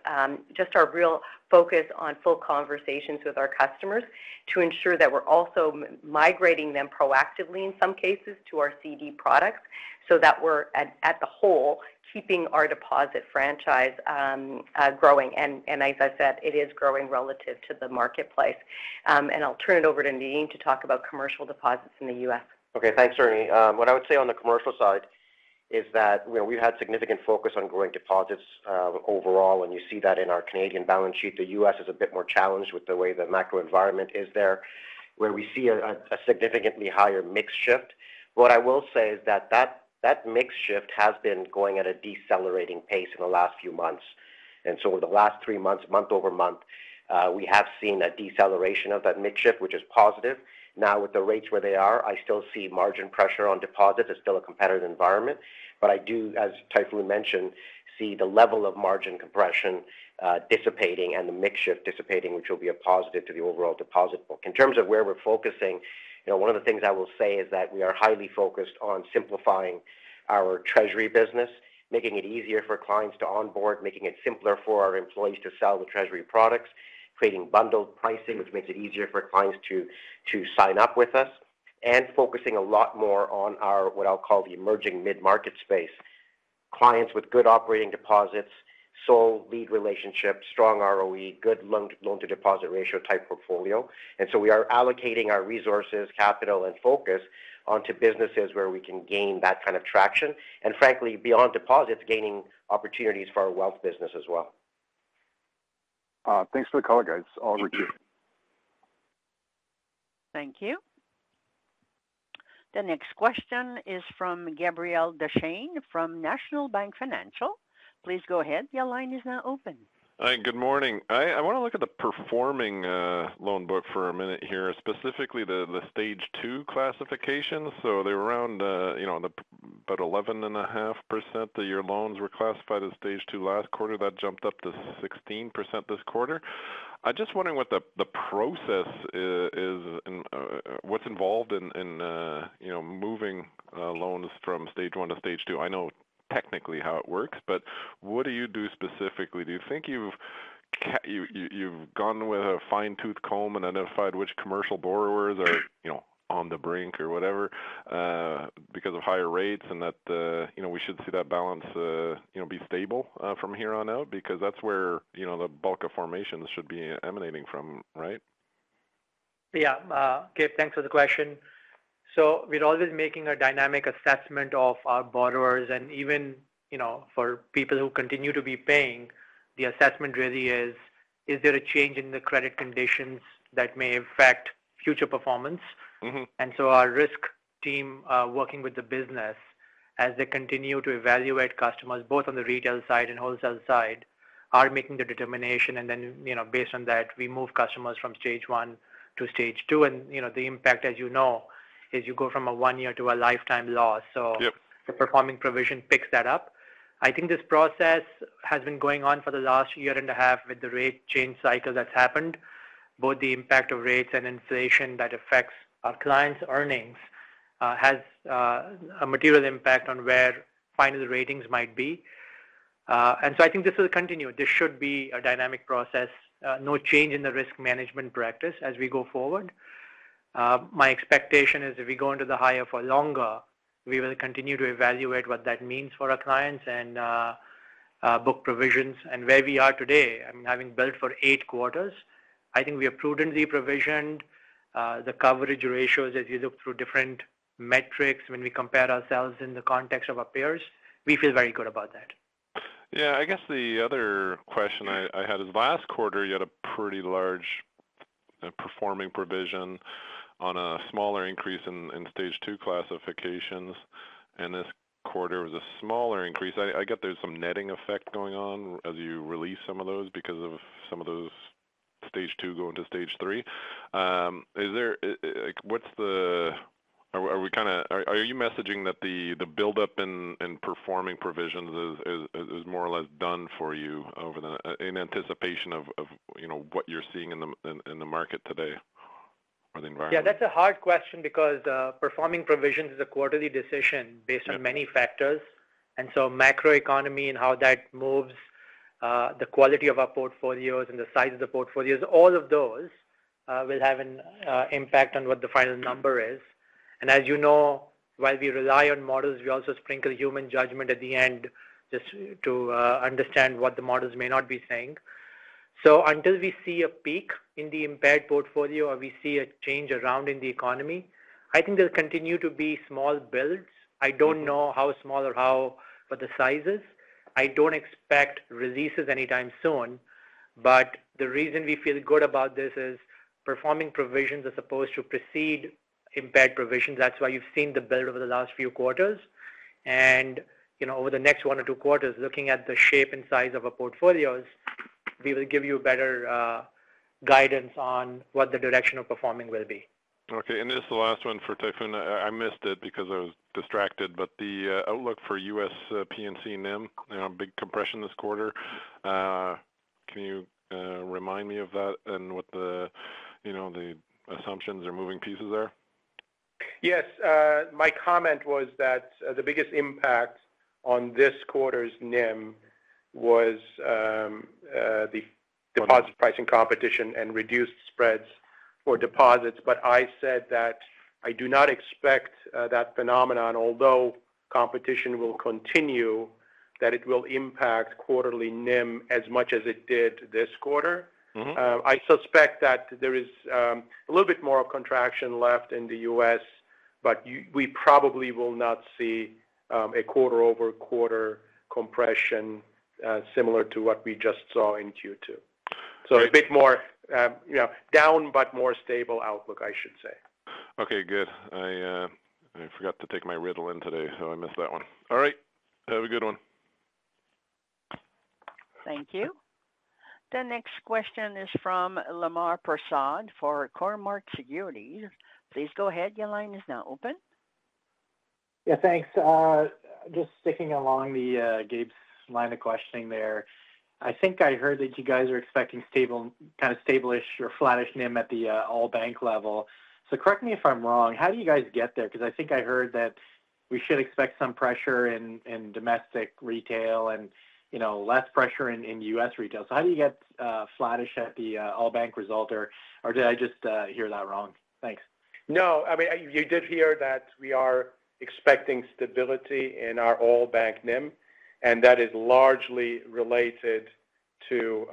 just our real focus on full conversations with our customers to ensure that we're also migrating them proactively in some cases to our CD products so that we're overall keeping our deposit franchise growing. As I said, it is growing relative to the marketplace. I'll turn it over to Nadim to talk about commercial deposits in the U.S. Okay. Thanks, Ernie. What I would say on the commercial side is that we've had significant focus on growing deposits overall, and you see that in our Canadian balance sheet. The U.S. is a bit more challenged with the way the macro environment is there, where we see a significantly higher mix shift. What I will say is that that mix shift has been going at a decelerating pace in the last few months. And so over the last three months, month-over-month, we have seen a deceleration of that mix shift, which is positive. Now, with the rates where they are, I still see margin pressure on deposits. It's still a competitive environment. But I do, as Tayfun mentioned, see the level of margin compression dissipating and the mix shift dissipating, which will be a positive to the overall deposit book. In terms of where we're focusing, one of the things I will say is that we are highly focused on simplifying our treasury business, making it easier for clients to onboard, making it simpler for our employees to sell the treasury products, creating bundled pricing, which makes it easier for clients to sign up with us, and focusing a lot more on what I'll call the emerging mid-market space, clients with good operating deposits, sole lead relationship, strong ROE, good loan-to-deposit ratio type portfolio. And so we are allocating our resources, capital, and focus onto businesses where we can gain that kind of traction and, frankly, beyond deposits, gaining opportunities for our wealth business as well. Thanks for the color guys. I'll requeue. Thank you. The next question is from Gabriel Dechaine from National Bank Financial. Please go ahead. Your line is now open. Hi. Good morning. I want to look at the performing loan book for a minute here, specifically the Stage 2 classification. So they were around about 11.5%. Your loans were classified as Stage 2 last quarter. That jumped up to 16% this quarter. I'm just wondering what the process is and what's involved in moving loans from Stage 1 to Stage 2. I know technically how it works, but what do you do specifically? Do you think you've gone with a fine-tooth comb and identified which commercial borrowers are on the brink or whatever because of higher rates and that we should see that balance be stable from here on out? Because that's where the bulk of formations should be emanating from, right? Yeah. Okay. Thanks for the question. So we're always making a dynamic assessment of our borrowers. And even for people who continue to be paying, the assessment really is, is there a change in the credit conditions that may affect future performance? And so our risk team working with the business, as they continue to evaluate customers both on the retail side and wholesale side, are making the determination. And then based on that, we move customers from Stage 1 to Stage 2. And the impact, as you know, is you go from a one-year to a lifetime loss. So the performing provision picks that up. I think this process has been going on for the last year and a half with the rate change cycle that's happened. Both the impact of rates and inflation that affects our clients' earnings has a material impact on where final ratings might be. And so I think this will continue. This should be a dynamic process, no change in the risk management practice as we go forward. My expectation is if we go into the higher for longer, we will continue to evaluate what that means for our clients and book provisions. And where we are today, I mean, having built for eight quarters, I think we are prudently provisioned. The coverage ratios, as you look through different metrics when we compare ourselves in the context of our peers, we feel very good about that. Yeah. I guess the other question I had is last quarter, you had a pretty large performing provision on a smaller increase in Stage 2 classifications. And this quarter, with a smaller increase, I get there's some netting effect going on as you release some of those because of some of those Stage 2 going to Stage 3. Are you messaging that the buildup in performing provisions is more or less done for you in anticipation of what you're seeing in the market today or the environment? Yeah. That's a hard question because performing provisions is a quarterly decision based on many factors. And so macroeconomy and how that moves, the quality of our portfolios and the size of the portfolios, all of those will have an impact on what the final number is. And as you know, while we rely on models, we also sprinkle human judgment at the end just to understand what the models may not be saying. So until we see a peak in the impaired portfolio or we see a change around in the economy, I think there'll continue to be small builds. I don't know how small or how the size is. I don't expect releases anytime soon. But the reason we feel good about this is performing provisions are supposed to precede impaired provisions. That's why you've seen the build over the last few quarters. Over the next 1 or 2 quarters, looking at the shape and size of our portfolios, we will give you better guidance on what the direction of performing will be. Okay. And this is the last one for Tayfun. I missed it because I was distracted. But the outlook for U.S. P&C NIM, big compression this quarter. Can you remind me of that and what the assumptions or moving pieces are? Yes. My comment was that the biggest impact on this quarter's NIM was the deposit pricing competition and reduced spreads for deposits. But I said that I do not expect that phenomenon, although competition will continue, that it will impact quarterly NIM as much as it did this quarter. I suspect that there is a little bit more of contraction left in the U.S., but we probably will not see a quarter-over-quarter compression similar to what we just saw in Q2. So a bit more down but more stable outlook, I should say. Okay. Good. I forgot to take my Ritalin in today, so I missed that one. All right. Have a good one. Thank you. The next question is from Lemar Persaud for Cormark Securities. Please go ahead. Your line is now open. Yeah. Thanks. Just sticking along Gabe's line of questioning there, I think I heard that you guys are expecting kind of stable or flattish NIM at the all-bank level. So correct me if I'm wrong. How do you guys get there? Because I think I heard that we should expect some pressure in domestic retail and less pressure in U.S. retail. So how do you get flattish at the all-bank result, or did I just hear that wrong? Thanks. No. I mean, you did hear that we are expecting stability in our all-bank NIM, and that is largely related to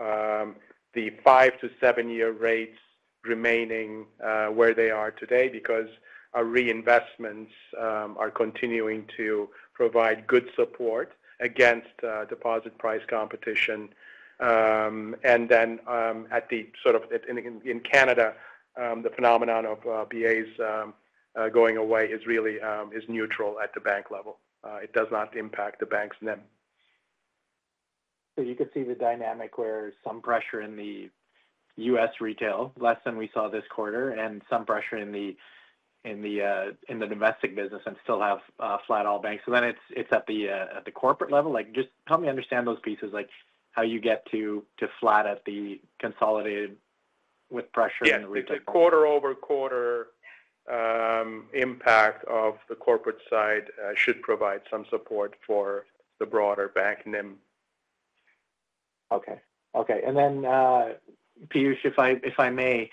the 5-7-year rates remaining where they are today because our reinvestments are continuing to provide good support against deposit price competition. And then at the sort of in Canada, the phenomenon of BAs going away is neutral at the bank level. It does not impact the bank's NIM. So you could see the dynamic where some pressure in the U.S. retail, less than we saw this quarter, and some pressure in the domestic business and still have flat all-banks. So then it's at the corporate level. Just help me understand those pieces, how you get to flat at the consolidated with pressure in the retail quarter. Yeah. The quarter-over-quarter impact of the corporate side should provide some support for the broader bank NIM. Okay. Okay. And then, Piyush, if I may,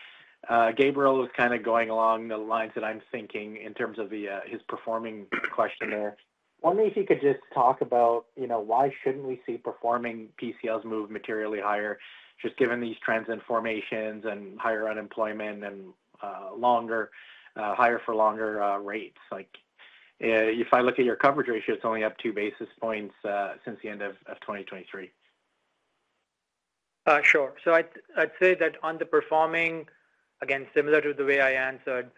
Gabriel was kind of going along the lines that I'm thinking in terms of his performing question there. I wonder if he could just talk about why shouldn't we see performing PCLs move materially higher, just given these trends in formations and higher unemployment and higher for longer rates? If I look at your coverage ratio, it's only up two basis points since the end of 2023. Sure. So I'd say that on the performing, again, similar to the way I answered,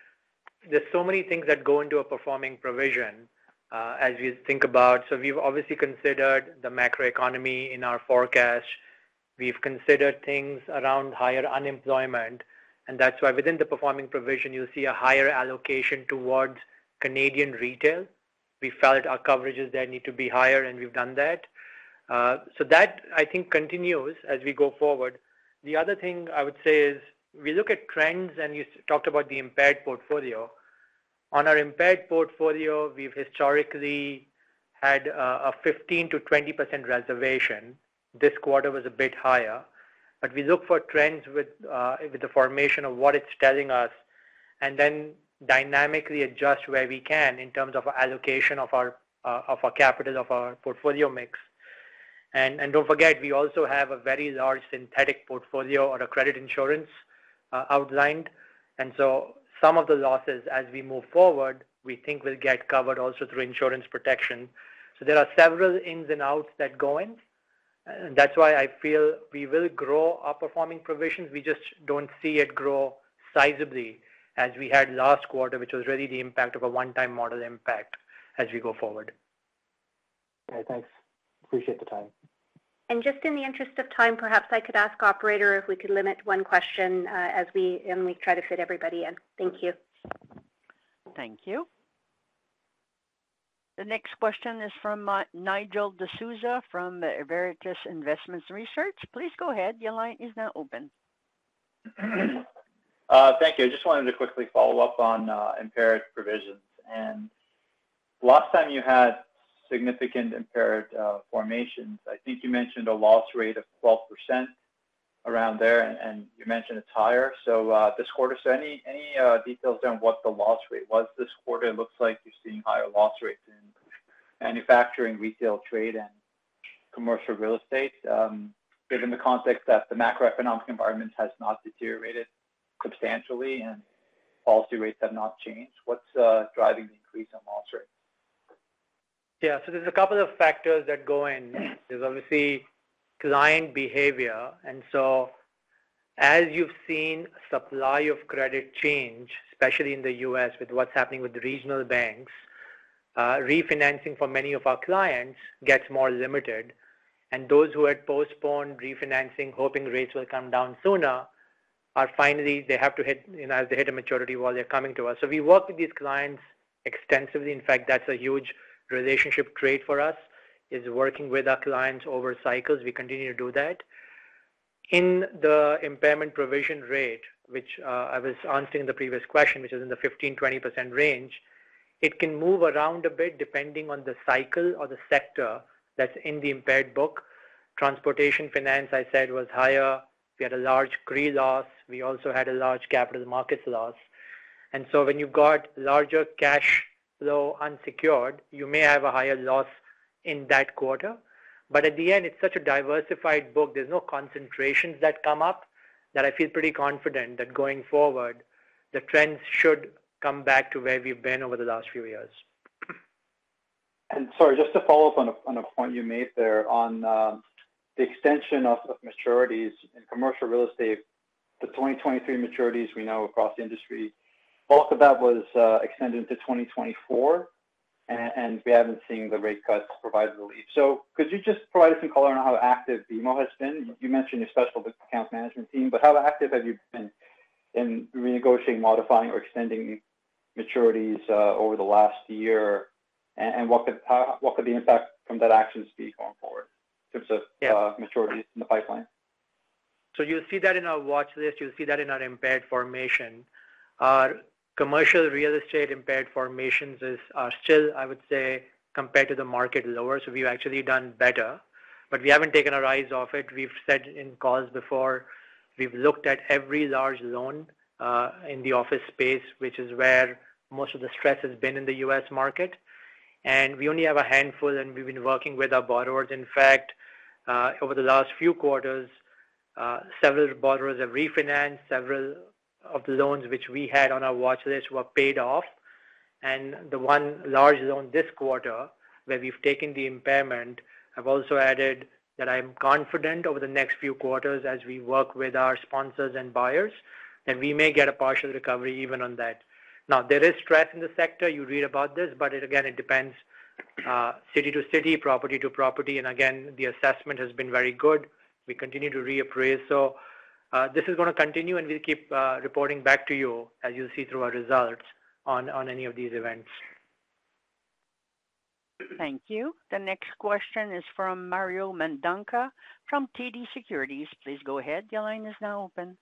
there's so many things that go into a performing provision as we think about. So we've obviously considered the macroeconomy in our forecast. We've considered things around higher unemployment. And that's why within the performing provision, you'll see a higher allocation towards Canadian retail. We felt our coverages there need to be higher, and we've done that. So that, I think, continues as we go forward. The other thing I would say is we look at trends, and you talked about the impaired portfolio. On our impaired portfolio, we've historically had a 15%-20% reservation. This quarter was a bit higher. But we look for trends with the formation of what it's telling us and then dynamically adjust where we can in terms of allocation of our capital, of our portfolio mix. And don't forget, we also have a very large synthetic portfolio or a credit insurance outlined. And so some of the losses, as we move forward, we think will get covered also through insurance protection. So there are several ins and outs that go in. And that's why I feel we will grow our performing provisions. We just don't see it grow sizably as we had last quarter, which was really the impact of a one-time model impact as we go forward. Okay. Thanks. Appreciate the time. Just in the interest of time, perhaps I could ask Operator if we could limit one question as we try to fit everybody in. Thank you. Thank you. The next question is from Nigel D'Souza from Veritas Investment Research. Please go ahead. Your line is now open. Thank you. I just wanted to quickly follow up on impaired provisions. And last time, you had significant impaired formations. I think you mentioned a loss rate of 12% around there, and you mentioned it's higher this quarter. So any details on what the loss rate was this quarter? It looks like you're seeing higher loss rates in manufacturing, retail trade, and commercial real estate given the context that the macroeconomic environment has not deteriorated substantially and policy rates have not changed. What's driving the increase in loss rates? Yeah. So there's a couple of factors that go in. There's obviously client behavior. And so as you've seen supply of credit change, especially in the U.S. with what's happening with the regional banks, refinancing for many of our clients gets more limited. And those who had postponed refinancing, hoping rates will come down sooner, finally, they have to hit as they hit a maturity wall, they're coming to us. So we work with these clients extensively. In fact, that's a huge relationship trait for us, is working with our clients over cycles. We continue to do that. In the impairment provision rate, which I was answering in the previous question, which is in the 15%-20% range, it can move around a bit depending on the cycle or the sector that's in the impaired book. Transportation finance, I said, was higher. We had a large CRE loss. We also had a large capital markets loss. So when you've got larger cash flow unsecured, you may have a higher loss in that quarter. But at the end, it's such a diversified book. There's no concentrations that come up that I feel pretty confident that going forward, the trends should come back to where we've been over the last few years. Sorry, just to follow up on a point you made there on the extension of maturities in commercial real estate, the 2023 maturities we know across the industry, bulk of that was extended into 2024, and we haven't seen the rate cuts provide relief. Could you just provide us some color on how active BMO has been? You mentioned your special accounts management team, but how active have you been in renegotiating, modifying, or extending maturities over the last year? And what could the impact from that action speak on forward in terms of maturities in the pipeline? So you'll see that in our watchlist. You'll see that in our impaired formation. Commercial real estate impaired formations are still, I would say, compared to the market lower. So we've actually done better, but we haven't taken a rise off it. We've said in calls before, we've looked at every large loan in the office space, which is where most of the stress has been in the U.S. market. And we only have a handful, and we've been working with our borrowers. In fact, over the last few quarters, several borrowers have refinanced. Several of the loans which we had on our watchlist were paid off. And the one large loan this quarter where we've taken the impairment, I've also added that I'm confident over the next few quarters as we work with our sponsors and buyers that we may get a partial recovery even on that. Now, there is stress in the sector. You read about this, but again, it depends city to city, property to property. And again, the assessment has been very good. We continue to reappraise. So this is going to continue, and we'll keep reporting back to you as you'll see through our results on any of these events. Thank you. The next question is from Mario Mendonca from TD Securities. Please go ahead. Your line is now open.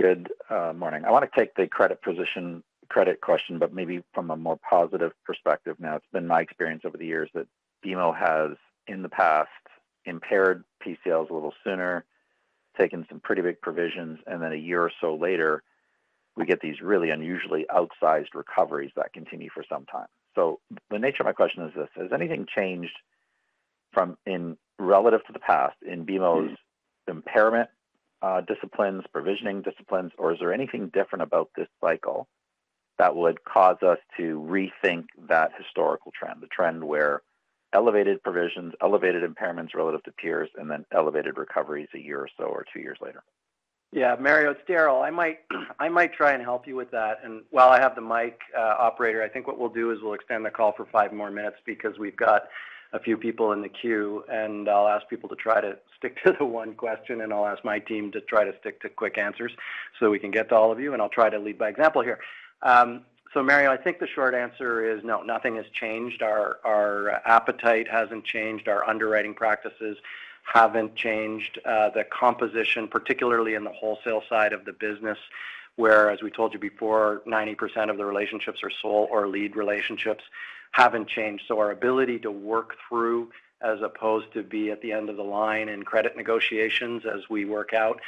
Good morning. I want to take the credit position credit question, but maybe from a more positive perspective now. It's been my experience over the years that BMO has, in the past, impaired PCLs a little sooner, taken some pretty big provisions, and then a year or so later, we get these really unusually outsized recoveries that continue for some time. So the nature of my question is this: has anything changed relative to the past in BMO's impairment disciplines, provisioning disciplines, or is there anything different about this cycle that would cause us to rethink that historical trend, the trend where elevated provisions, elevated impairments relative to peers, and then elevated recoveries a year or so or two years later? Yeah. Mario, it's Darryl. I might try and help you with that. While I have the mic, operator, I think what we'll do is we'll extend the call for five more minutes because we've got a few people in the queue. I'll ask people to try to stick to the one question, and I'll ask my team to try to stick to quick answers so that we can get to all of you. I'll try to lead by example here. So Mario, I think the short answer is no, nothing has changed. Our appetite hasn't changed. Our underwriting practices haven't changed. The composition, particularly in the wholesale side of the business, where, as we told you before, 90% of the relationships are sole or lead relationships, hasn't changed. So our ability to work through as opposed to be at the end of the line in credit negotiations as we work out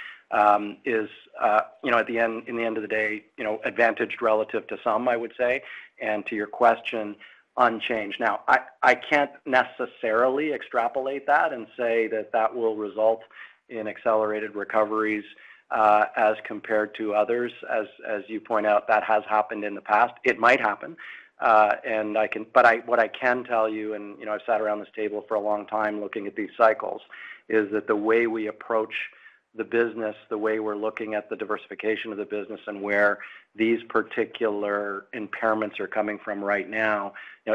is, at the end of the day, advantaged relative to some, I would say, and to your question, unchanged. Now, I can't necessarily extrapolate that and say that that will result in accelerated recoveries as compared to others. As you point out, that has happened in the past. It might happen. But what I can tell you, and I've sat around this table for a long time looking at these cycles, is that the way we approach the business, the way we're looking at the diversification of the business and where these particular impairments are coming from right now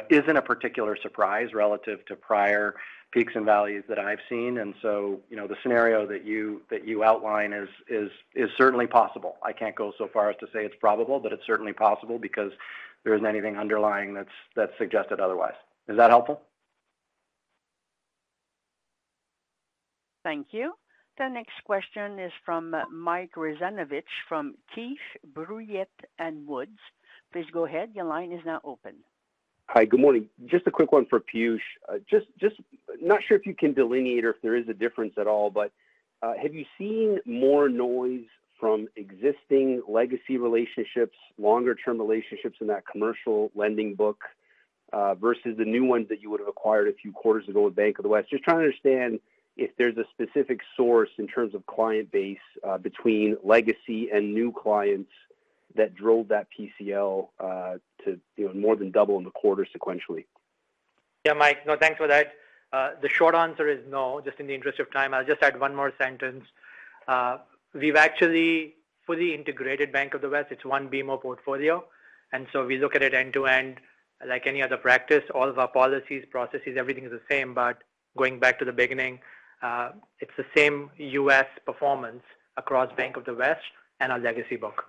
isn't a particular surprise relative to prior peaks and valleys that I've seen. And so the scenario that you outline is certainly possible. I can't go so far as to say it's probable, but it's certainly possible because there isn't anything underlying that's suggested otherwise. Is that helpful? Thank you. The next question is from Mike Rizvanovic from Keefe, Bruyette & Woods. Please go ahead. Your line is now open. Hi. Good morning. Just a quick one for Piyush. Just not sure if you can delineate or if there is a difference at all, but have you seen more noise from existing legacy relationships, longer-term relationships in that commercial lending book versus the new ones that you would have acquired a few quarters ago with Bank of the West? Just trying to understand if there's a specific source in terms of client base between legacy and new clients that drove that PCL to more than double in the quarter sequentially. Yeah, Mike. No, thanks for that. The short answer is no. Just in the interest of time, I'll just add one more sentence. We've actually fully integrated Bank of the West. It's one BMO portfolio. And so we look at it end-to-end like any other practice. All of our policies, processes, everything is the same. But going back to the beginning, it's the same U.S. performance across Bank of the West and our legacy book.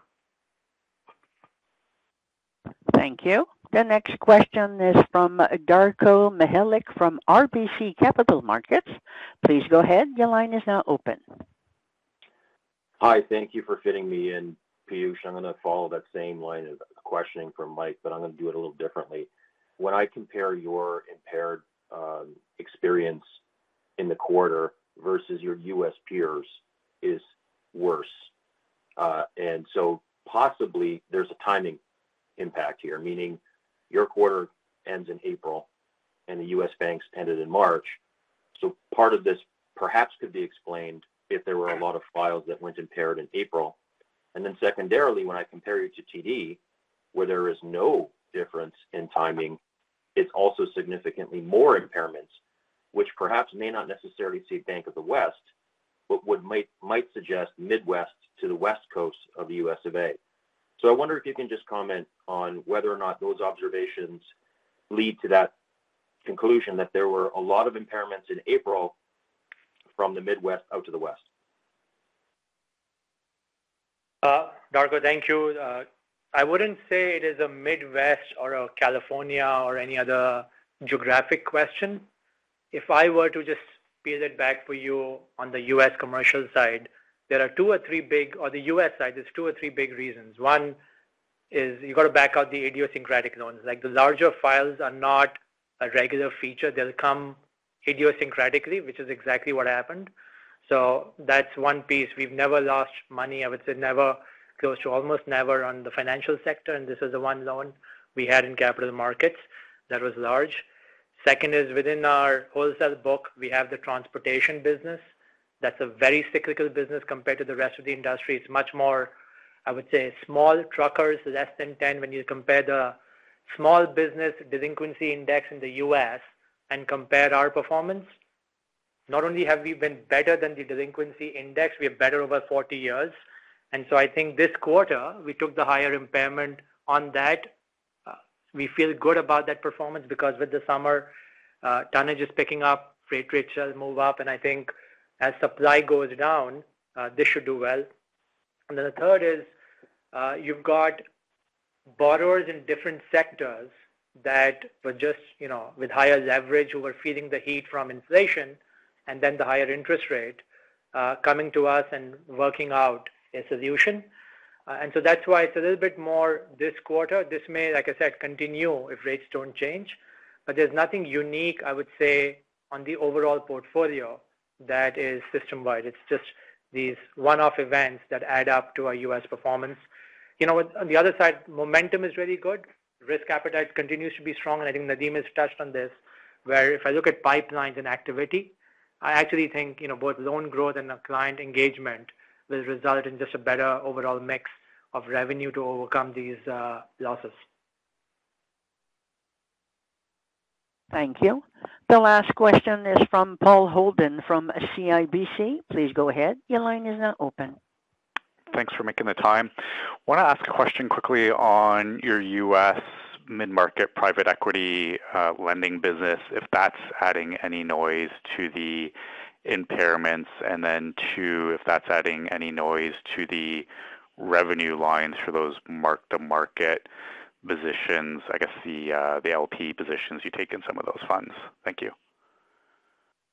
Thank you. The next question is from Darko Mihelic from RBC Capital Markets. Please go ahead. Your line is now open. Hi. Thank you for fitting me in, Piyush. I'm going to follow that same line of questioning from Mike, but I'm going to do it a little differently. When I compare your impaired experience in the quarter versus your U.S. peers, it's worse. And so possibly, there's a timing impact here, meaning your quarter ends in April and the U.S. banks ended in March. So part of this perhaps could be explained if there were a lot of files that went impaired in April. And then secondarily, when I compare you to TD, where there is no difference in timing, it's also significantly more impairments, which perhaps may not necessarily see Bank of the West but might suggest Midwest to the West Coast of the U.S. of A. I wonder if you can just comment on whether or not those observations lead to that conclusion that there were a lot of impairments in April from the Midwest out to the West? Darko, thank you. I wouldn't say it is a Midwest or a California or any other geographic question. If I were to just peel it back for you on the U.S. commercial side, there are two or three big on the U.S. side, there's two or three big reasons. One is you've got to back out the idiosyncratic loans. The larger files are not a regular feature. They'll come idiosyncratically, which is exactly what happened. So that's one piece. We've never lost money, I would say never, close to almost never on the financial sector. And this is the one loan we had in capital markets that was large. Second is within our wholesale book, we have the transportation business. That's a very cyclical business compared to the rest of the industry. It's much more, I would say, small truckers, less than 10 when you compare the Small Business Delinquency Index in the U.S. and compare our performance. Not only have we been better than the delinquency index, we are better over 40 years. And so I think this quarter, we took the higher impairment on that. We feel good about that performance because with the summer, tonnage is picking up, freight rates shall move up. And I think as supply goes down, this should do well. And then the third is you've got borrowers in different sectors that were just with higher leverage, who were feeling the heat from inflation and then the higher interest rate coming to us and working out a solution. And so that's why it's a little bit more this quarter. This may, like I said, continue if rates don't change. But there's nothing unique, I would say, on the overall portfolio that is system-wide. It's just these one-off events that add up to our U.S. performance. On the other side, momentum is really good. Risk appetite continues to be strong. And I think Nadim has touched on this where if I look at pipelines and activity, I actually think both loan growth and our client engagement will result in just a better overall mix of revenue to overcome these losses. Thank you. The last question is from Paul Holden from CIBC. Please go ahead. Your line is now open. Thanks for making the time. I want to ask a question quickly on your U.S. mid-market private equity lending business, if that's adding any noise to the impairments and then to if that's adding any noise to the revenue lines for those marked-to-market positions, I guess the LP positions you take in some of those funds. Thank you.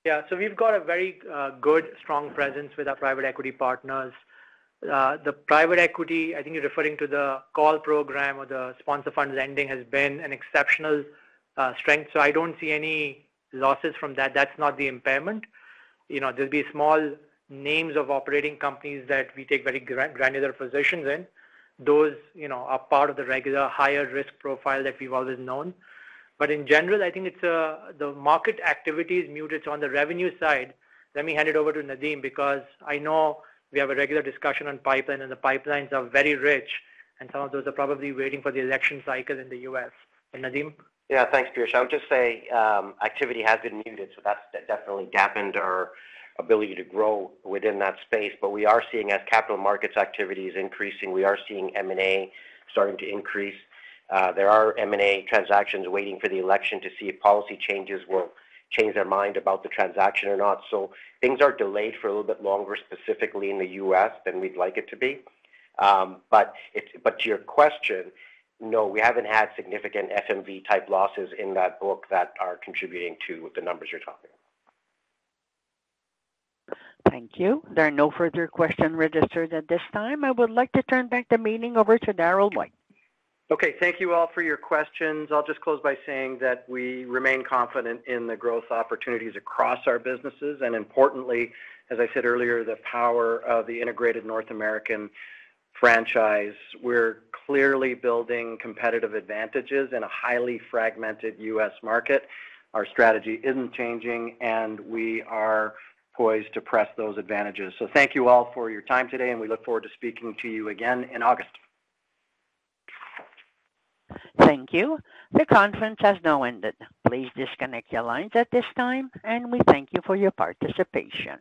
Yeah. So we've got a very good, strong presence with our private equity partners. The private equity, I think you're referring to the call program or the sponsor fund lending has been an exceptional strength. So I don't see any losses from that. That's not the impairment. There'll be small names of operating companies that we take very granular positions in. Those are part of the regular higher-risk profile that we've always known. But in general, I think the market activity is muted. It's on the revenue side. Let me hand it over to Nadim because I know we have a regular discussion on pipeline, and the pipelines are very rich, and some of those are probably waiting for the election cycle in the U.S. Nadim? Yeah. Thanks, Piyush. I would just say activity has been muted, so that's definitely dampened our ability to grow within that space. But we are seeing, as capital markets activity is increasing, we are seeing M&A starting to increase. There are M&A transactions waiting for the election to see if policy changes will change their mind about the transaction or not. So things are delayed for a little bit longer, specifically in the U.S., than we'd like it to be. But to your question, no, we haven't had significant FMV-type losses in that book that are contributing to the numbers you're talking about. Thank you. There are no further questions registered at this time. I would like to turn back the meeting over to Darryl White. Okay. Thank you all for your questions. I'll just close by saying that we remain confident in the growth opportunities across our businesses. And importantly, as I said earlier, the power of the integrated North American franchise. We're clearly building competitive advantages in a highly fragmented U.S. market. Our strategy isn't changing, and we are poised to press those advantages. So thank you all for your time today, and we look forward to speaking to you again in August. Thank you. The conference has now ended. Please disconnect your lines at this time, and we thank you for your participation.